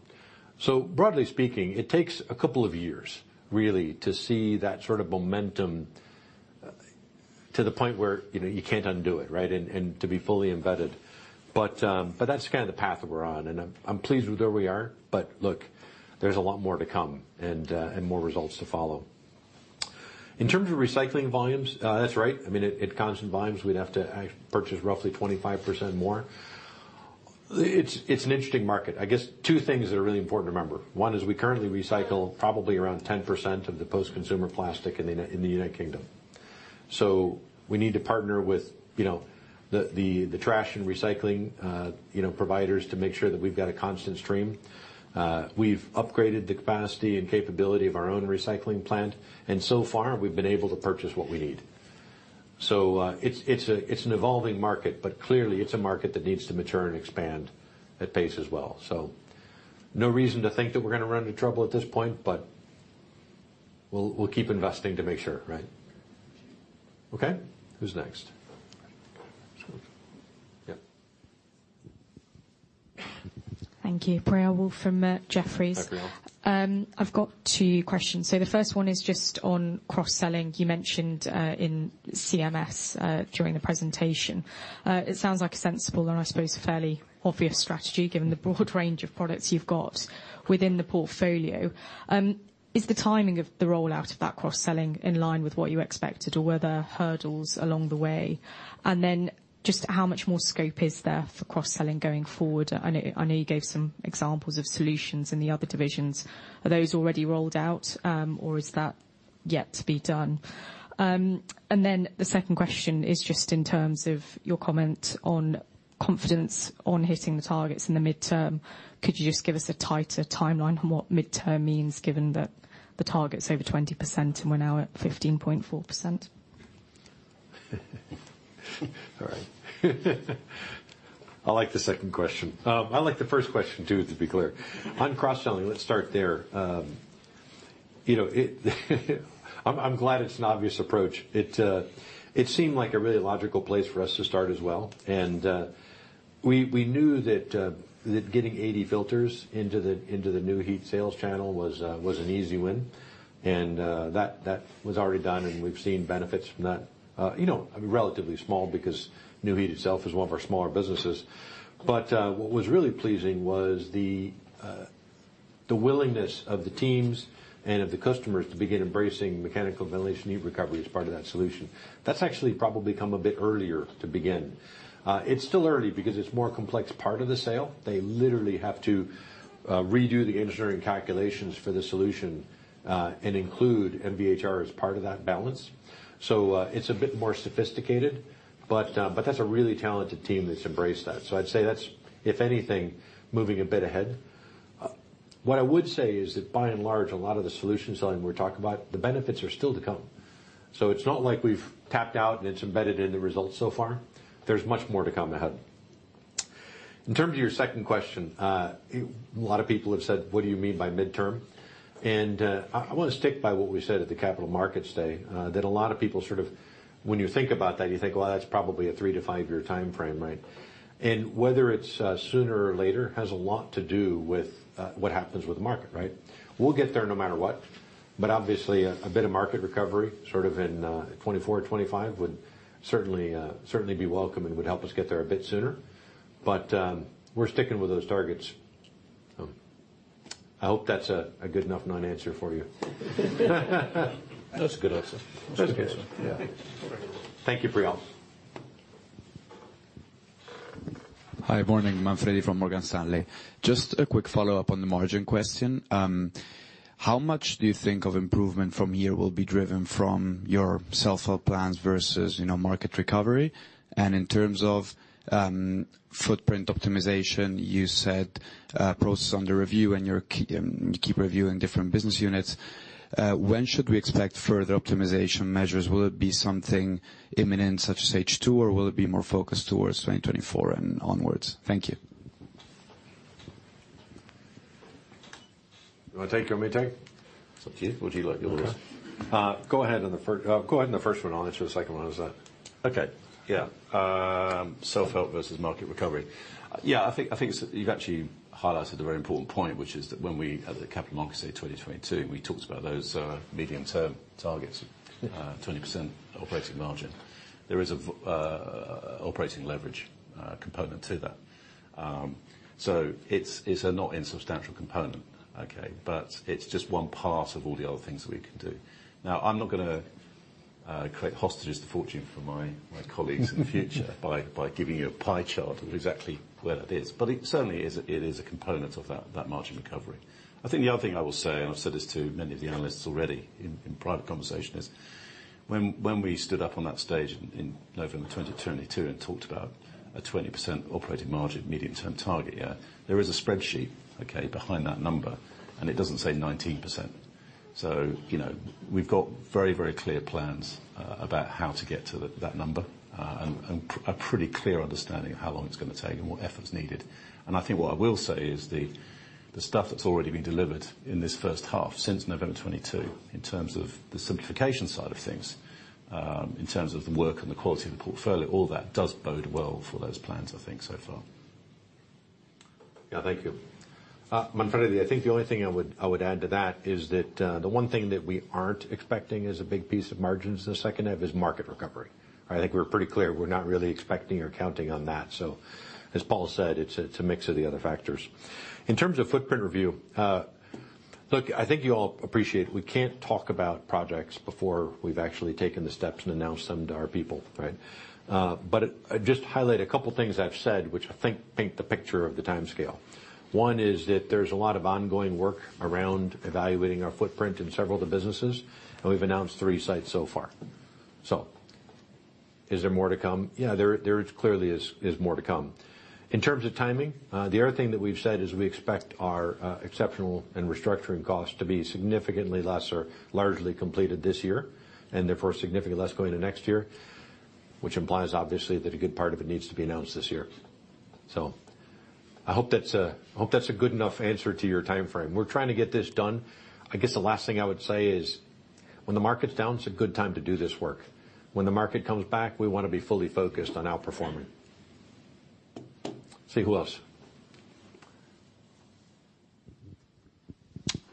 Broadly speaking, it takes a couple of years, really, to see that sort of momentum to the point where, you know, you can't undo it, right? To be fully embedded. That's kind of the path that we're on, and I'm, I'm pleased with where we are. Look, there's a lot more to come and more results to follow. In terms of recycling volumes, that's right. I mean, at constant volumes, we'd have to purchase roughly 25% more. It's, it's an interesting market. I guess two things that are really important to remember. One is we currently recycle probably around 10% of the post-consumer plastic in the United Kingdom. We need to partner with the trash and recycling, you know, providers to make sure that we've got a constant stream. We've upgraded the capacity and capability of our own recycling plant, so far, we've been able to purchase what we need. It's, it's a, it's an evolving market, but clearly, it's a market that needs to mature and expand at pace as well. No reason to think that we're gonna run into trouble at this point, but we'll, we'll keep investing to make sure, right? Okay, who's next? Yeah. Thank you. Priyal Woolf from Jefferies. Okay. I've got two questions. The first one is just on cross-selling. You mentioned in CMS during the presentation. It sounds like a sensible and, I suppose, fairly obvious strategy, given the broad range of products you've got within the portfolio. Is the timing of the rollout of that cross-selling in line with what you expected, or were there hurdles along the way? Just how much more scope is there for cross-selling going forward? I know you gave some examples of solutions in the other divisions. Are those already rolled out, or is that yet to be done? The second question is just in terms of your comment on confidence on hitting the targets in the midterm. Could you just give us a tighter timeline on what midterm means, given that the target's over 20%, and we're now at 15.4%? All right. I like the second question. I like the first question, too, to be clear. On cross-selling, let's start there. I'm glad it's an obvious approach. It, it seemed like a really logical place for us to start as well. We, we knew that, that getting eighty filters into the, into the Nu-Heat sales channel was, was an easy win, and that, that was already done, and we've seen benefits from that. you know, relatively small, because Nu-Heat itself is one of our smaller businesses. What was really pleasing was the, the willingness of the teams and of the customers to begin embracing Mechanical Ventilation with Heat Recovery as part of that solution. That's actually probably come a bit earlier to begin. It's still early because it's a more complex part of the sale. They literally have to redo the engineering calculations for the solution and include MVHR as part of that balance. It's a bit more sophisticated, but that's a really talented team that's embraced that. I'd say that's, if anything, moving a bit ahead. What I would say is that, by and large, a lot of the solution selling we're talking about, the benefits are still to come. It's not like we've tapped out, and it's embedded in the results so far. There's much more to come ahead. In terms of your second question, a lot of people have said, "What do you mean by midterm?" I, I wanna stick by what we said at the Capital Markets Day that a lot of people sort of. When you think about that, you think, well, that's probably a 3-5-year time frame, right? Whether it's sooner or later, has a lot to do with what happens with the market, right? We'll get there no matter what, but obviously, a, a bit of market recovery, sort of in 2024, 2025, would certainly be welcome and would help us get there a bit sooner. We're sticking with those targets. I hope that's a, a good enough non-answer for you. That's a good answer. That's a good answer, yeah. Thank you, Priyal. Hi, morning. Manfredi from Morgan Stanley. Just a quick follow-up on the margin question. How much do you think of improvement from here will be driven from your self-help plans versus, you know, market recovery? In terms of footprint optimization, you said, process under review and you're keep reviewing different business units. When should we expect further optimization measures? Will it be something imminent, such as H2, or will it be more focused towards 2024 and onwards? Thank you. You want to take it or me take? It's up to you. Would you like. Go ahead on the first one. I'll answer the second one. Okay, yeah. Self-help versus market recovery. I think, I think you've actually highlighted a very important point, which is that when we, at the Capital Markets Day 2022, we talked about those medium-term targets, 20% operating margin. There is a operating leverage component to that. It's, it's a not insubstantial component, okay? It's just one part of all the other things that we can do. Now, I'm not gonna create hostages to fortune for my, my colleagues in the future by giving you a pie chart of exactly where that is. It certainly is, it is a component of that, that margin recovery. I think the other thing I will say, and I've said this to many of the analysts already in, in private conversation, is when, when we stood up on that stage in November 2022 and talked about a 20% operating margin medium-term target, yeah, there is a spreadsheet, okay, behind that number, and it doesn't say 19%. you know, we've got very, very clear plans about how to get to that, that number, and a pretty clear understanding of how long it's going to take and what effort is needed. I think what I will say is the, the stuff that's already been delivered in this first half, since November 2022, in terms of the simplification side of things, in terms of the work and the quality of the portfolio, all that does bode well for those plans, I think, so far. Thank you. Manfredi, I think the only thing I would, I would add to that is that the one thing that we aren't expecting as a big piece of margins in the second half is market recovery. I think we're pretty clear, we're not really expecting or counting on that. As Paul said, it's a, it's a mix of the other factors. In terms of footprint review, look, I think you all appreciate, we can't talk about projects before we've actually taken the steps and announced them to our people, right? But just to highlight a couple of things I've said, which I think paint the picture of the timescale. One is that there's a lot of ongoing work around evaluating our footprint in several of the businesses, and we've announced three sites so far. Is there more to come? Yeah, there, there clearly is, is more to come. In terms of timing, the other thing that we've said is we expect our exceptional and restructuring costs to be significantly less or largely completed this year, and therefore, significantly less going into next year, which implies, obviously, that a good part of it needs to be announced this year. I hope that's a, I hope that's a good enough answer to your time frame. We're trying to get this done. I guess the last thing I would say is, when the market's down, it's a good time to do this work. When the market comes back, we want to be fully focused on outperforming. Let's see, who else?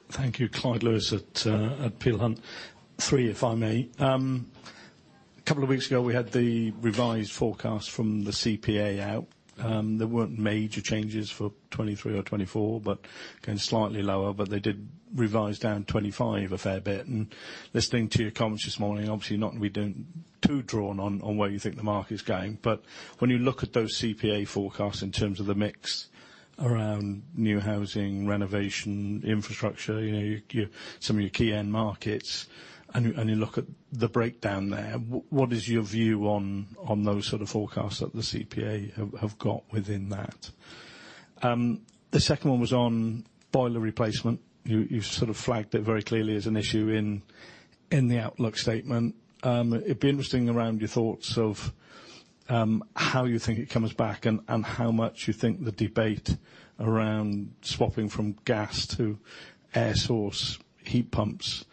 Thank you. Clyde Lewis at Peel Hunt. 3, if I may. A couple of weeks ago, we had the revised forecast from the CPA out. There weren't major changes for 2023 or 2024, but again, slightly lower, but they did revise down 2025 a fair bit. Listening to your comments this morning, obviously, not we don't too drawn on, on where you think the market is going, but when you look at those CPA forecasts in terms of the mix around new housing, renovation, infrastructure, you know, your, some of your key end markets, and you, and you look at the breakdown there, what is your view on, on those sort of forecasts that the CPA have, have got within that? The second one was on boiler replacement. You, you sort of flagged it very clearly as an issue in, in the outlook statement. It'd be interesting around your thoughts of, how you think it comes back and, and how much you think the debate around swapping from gas to air source heat pumps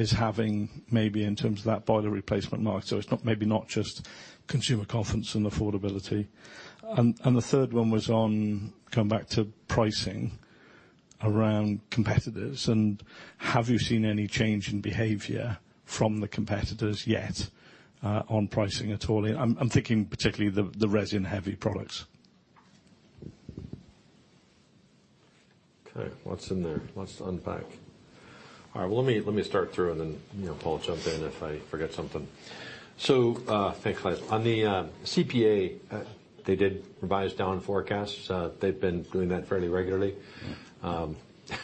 is having maybe in terms of that boiler replacement market. It's not, maybe not just consumer confidence and affordability. The third one was on, come back to pricing around competitors, and have you seen any change in behavior from the competitors yet, on pricing at all? I'm, I'm thinking particularly the, the resin-heavy products. What's in there? Let's unpack. Let me, let me start through, and then, you know, Paul, jump in if I forget something. Thanks, Clyde. On the CPA, they did revise down forecasts. They've been doing that fairly regularly.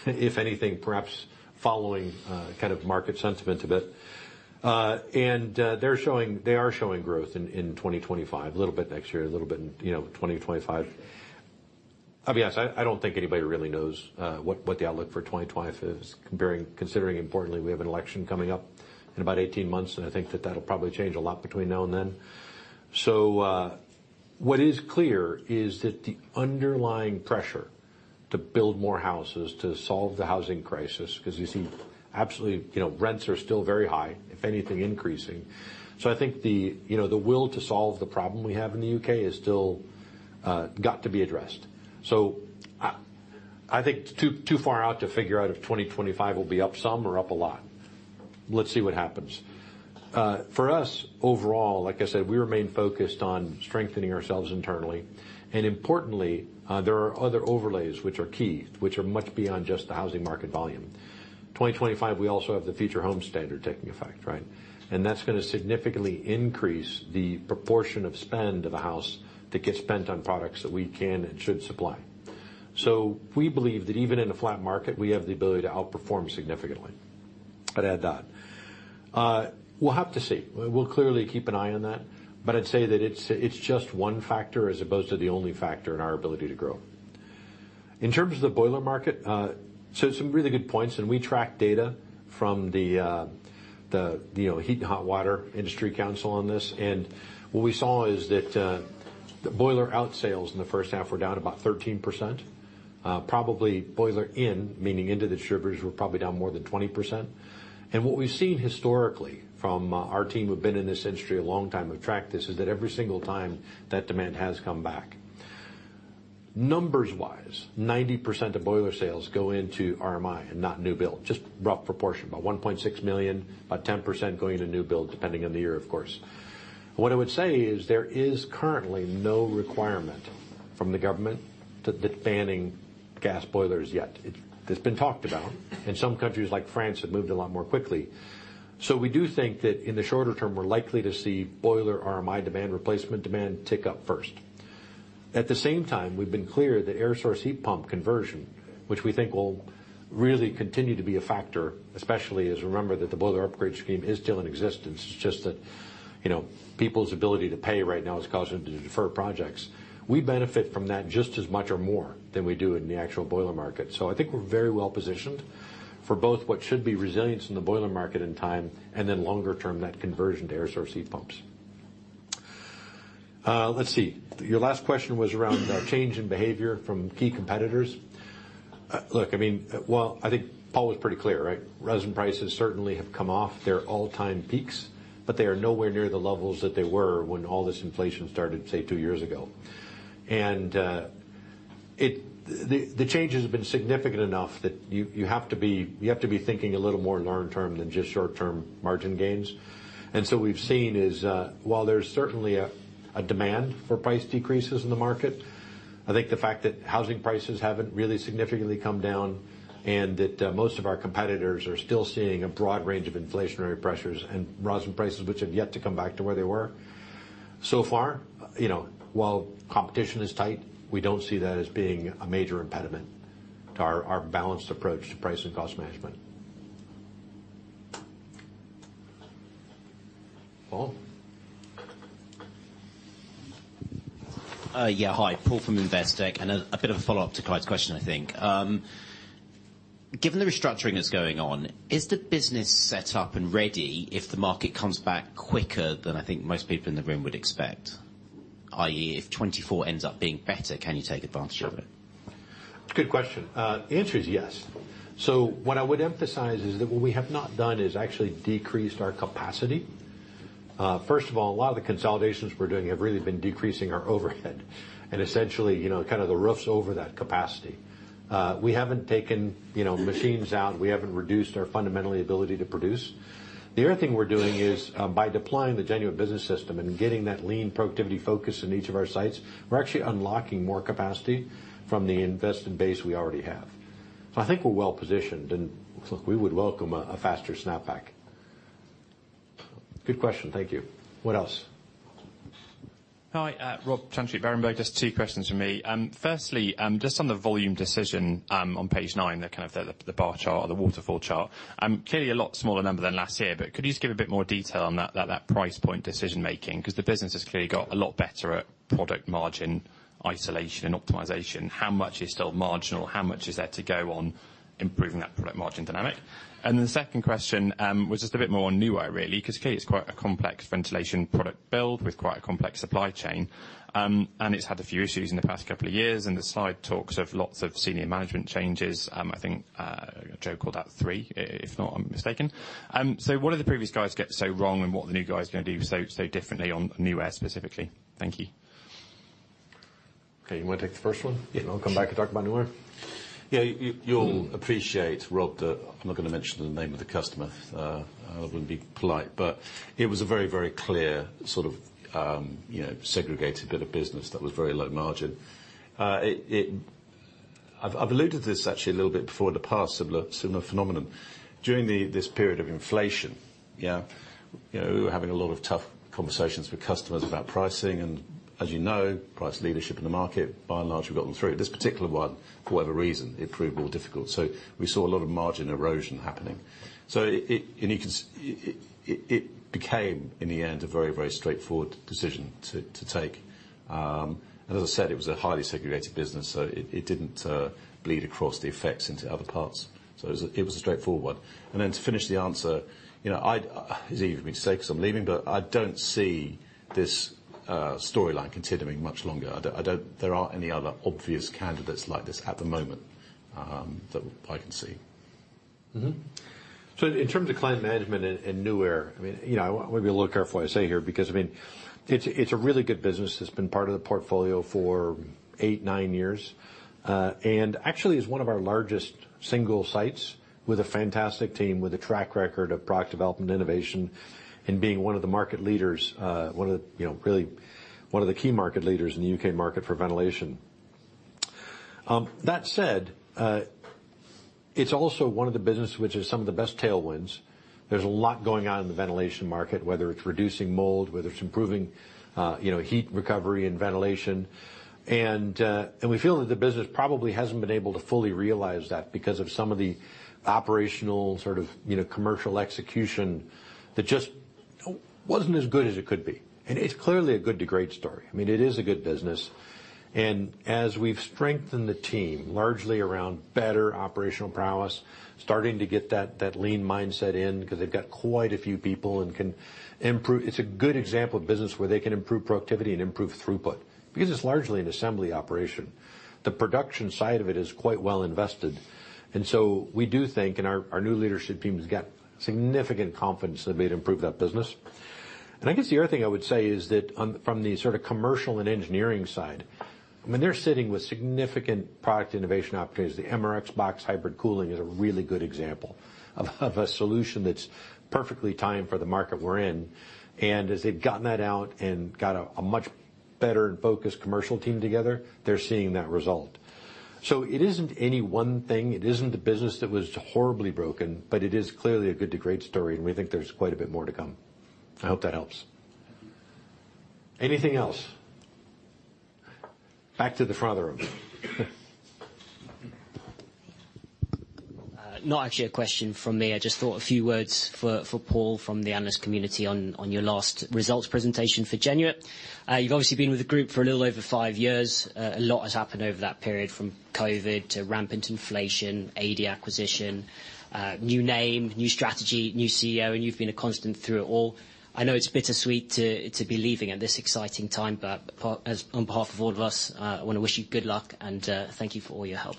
If anything, perhaps following kind of market sentiment a bit. They are showing growth in 2025, a little bit next year, a little bit in, you know, 2025. I'll be honest, I, I don't think anybody really knows what the outlook for 2025 is, comparing, considering importantly, we have an election coming up in about 18 months, and I think that that'll probably change a lot between now and then. What is clear is that the underlying pressure to build more houses, to solve the housing crisis, because you see, absolutely, you know, rents are still very high, if anything, increasing. I think the, you know, the will to solve the problem we have in the U.K. is still got to be addressed. I think it's too, too far out to figure out if 2025 will be up some or up a lot. Let's see what happens. For us, overall, like I said, we remain focused on strengthening ourselves internally, and importantly, there are other overlays which are key, which are much beyond just the housing market volume. 2025, we also have the Future Homes Standard taking effect, right? That's going to significantly increase the proportion of spend of a house that gets spent on products that we can and should supply. We believe that even in a flat market, we have the ability to outperform significantly. I'd add that. We'll have to see. We'll clearly keep an eye on that, but I'd say that it's, it's just one factor as opposed to the only factor in our ability to grow. In terms of the boiler market, some really good points, we track data from the, you know, Heat and Hot Water Industry Council on this. What we saw is that the boiler out sales in the first half were down about 13%. Probably boiler in, meaning into the distributors, were probably down more than 20%. What we've seen historically from our team, who've been in this industry a long time, who've tracked this, is that every single time, that demand has come back. Numbers-wise, 90% of boiler sales go into RMI and not new build, just rough proportion, about 1.6 million, about 10% going into new build, depending on the year, of course. What I would say is there is currently no requirement from the government that's banning gas boilers yet. It's been talked about, and some countries, like France, have moved a lot more quickly. We do think that in the shorter term, we're likely to see boiler RMI demand, replacement demand, tick up first. At the same time, we've been clear that air source heat pump conversion, which we think will really continue to be a factor, especially as remember, that the Boiler Upgrade Scheme is still in existence. It's just that, you know, people's ability to pay right now is causing them to defer projects. We benefit from that just as much or more than we do in the actual boiler market. I think we're very well positioned for both what should be resilience in the boiler market in time, and then longer term, that conversion to air source heat pumps. Let's see. Your last question was around change in behavior from key competitors. Look, I mean, well, I think Paul was pretty clear, right? Resin prices certainly have come off their all-time peaks, but they are nowhere near the levels that they were when all this inflation started, say, two years ago. The, the change has been significant enough that you, you have to be, you have to be thinking a little more long term than just short-term margin gains. What we've seen is, while there's certainly a, a demand for price decreases in the market, I think the fact that housing prices haven't really significantly come down, and that most of our competitors are still seeing a broad range of inflationary pressures and resin prices, which have yet to come back to where they were. Far, you know, while competition is tight, we don't see that as being a major impediment to our, our balanced approach to price and cost management. Paul? Yeah, hi. Paul from Investec, and a, a bit of a follow-up to Clyde's question, I think. Given the restructuring that's going on, is the business set up and ready if the market comes back quicker than I think most people in the room would expect? i.e. if 2024 ends up being better, can you take advantage of it? Good question. Answer is yes. What I would emphasize is that what we have not done is actually decreased our capacity. First of all, a lot of the consolidations we're doing have really been decreasing our overhead, and essentially, you know, kind of the roofs over that capacity. We haven't taken, you know, machines out. We haven't reduced our fundamental ability to produce. The other thing we're doing is, by deploying the Genuit Business System and getting that lean productivity focus in each of our sites, we're actually unlocking more capacity from the invested base we already have. I think we're well positioned, and look, we would welcome a, a faster snapback. Good question. Thank you. What else? Hi, Rob. Just two questions from me. Firstly, just on the volume decision, on page nine, the kind of the, the bar chart or the waterfall chart. Clearly a lot smaller number than last year, but could you just give a bit more detail on that, that, that price point decision making? Because the business has clearly got a lot better at product margin, isolation, and optimization. How much is still marginal? How much is there to go on improving that product margin dynamic? And then the second question was just a bit more on Nuaire, really, because clearly, it's quite a complex ventilation product build with quite a complex supply chain. And it's had a few issues in the past couple of years, and the slide talks of lots of senior management changes. I think Joe called out 3, if not, I'm mistaken. What did the previous guys get so wrong, and what are the new guys going to do so, so differently on Nuaire, specifically? Thank you. Okay, you want to take the first one? Yeah. I'll come back and talk about Nuaire. Yeah, you, you'll appreciate, Rob, that I'm not going to mention the name of the customer. I wouldn't be polite, but it was a very, very clear sort of segregated bit of business that was very low margin. I've alluded to this actually a little bit before in the past, similar, similar phenomenon. During this period of inflation, you know, we were having a lot of tough conversations with customers about pricing, and as you know, price leadership in the market, by and large, we've gotten through. This particular one, for whatever reason, it proved more difficult, so we saw a lot of margin erosion happening. You can see, it became, in the end, a very, very straightforward decision to take. As I said, it was a highly segregated business, so it, it didn't bleed across the effects into other parts. It was a, it was a straightforward one. Then to finish the answer. You know, I'd, it's easy for me to say because I'm leaving, but I don't see this storyline continuing much longer. I don't, I don't. There aren't any other obvious candidates like this at the moment that I can see. Mm-hmm. In terms of climate management and, and Nuaire, I mean, I want to be a little careful what I say here, because, I mean, it's, it's a really good business that's been part of the portfolio for eight, nine years. Actually, is one of our largest single sites with a fantastic team, with a track record of product development, innovation, and being one of the market leaders, one of the, you know, really one of the key market leaders in the UK market for ventilation. That said, it's also one of the businesses which has some of the best tailwinds. There's a lot going on in the ventilation market, whether it's reducing mold, whether it's improving, you know, heat recovery and ventilation. We feel that the business probably hasn't been able to fully realize that because of some of the operational sort of, you know, commercial execution that just wasn't as good as it could be. It's clearly a good to great story. I mean, it is a good business. As we've strengthened the team, largely around better operational prowess, starting to get that, that lean mindset in, because they've got quite a few people. It's a good example of business where they can improve productivity and improve throughput, because it's largely an assembly operation. The production side of it is quite well invested. So we do think, and our, our new leadership team has got significant confidence in the way to improve that business. I guess the other thing I would say is that on. From the sort of commercial and engineering side, I mean, they're sitting with significant product innovation opportunities. The MRXBOX Hybrid Cooling System is a really good example of a solution that's perfectly timed for the market we're in. As they've gotten that out and got a much better and focused commercial team together, they're seeing that result. It isn't any one thing. It isn't a business that was horribly broken, but it is clearly a good to great story, and we think there's quite a bit more to come. I hope that helps. Anything else? Back to the front of the room. Not actually a question from me. I just thought a few words for, for Paul from the analyst community on, on your last results presentation for January. You've obviously been with the group for a little over 5 years. A lot has happened over that period, from COVID to rampant inflation, ADEY acquisition, new name, new strategy, new CEO. You've been a constant through it all. I know it's bittersweet to, to be leaving at this exciting time, but as on behalf of all of us, I want to wish you good luck and, thank you for all your help.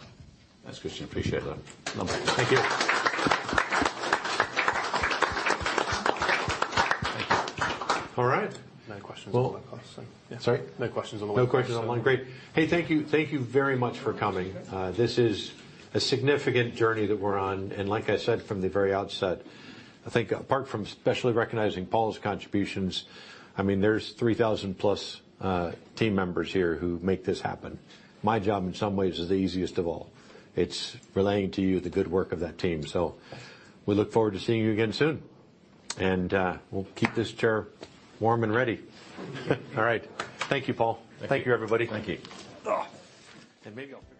Thanks, Christian. Appreciate that. Lovely. Thank you. All right. No questions on the line. Sorry? No questions on the line. No questions on the line. Great. Hey, thank you. Thank you very much for coming. This is a significant journey that we're on. Like I said from the very outset, I think apart from specially recognizing Paul's contributions, I mean, there's 3,000+ team members here who make this happen. My job, in some ways, is the easiest of all. It's relaying to you the good work of that team. We look forward to seeing you again soon, and we'll keep this chair warm and ready. All right. Thank you, Paul. Thank you. Thank you, everybody. Thank you. Oh! maybe I'll figure out how to get that.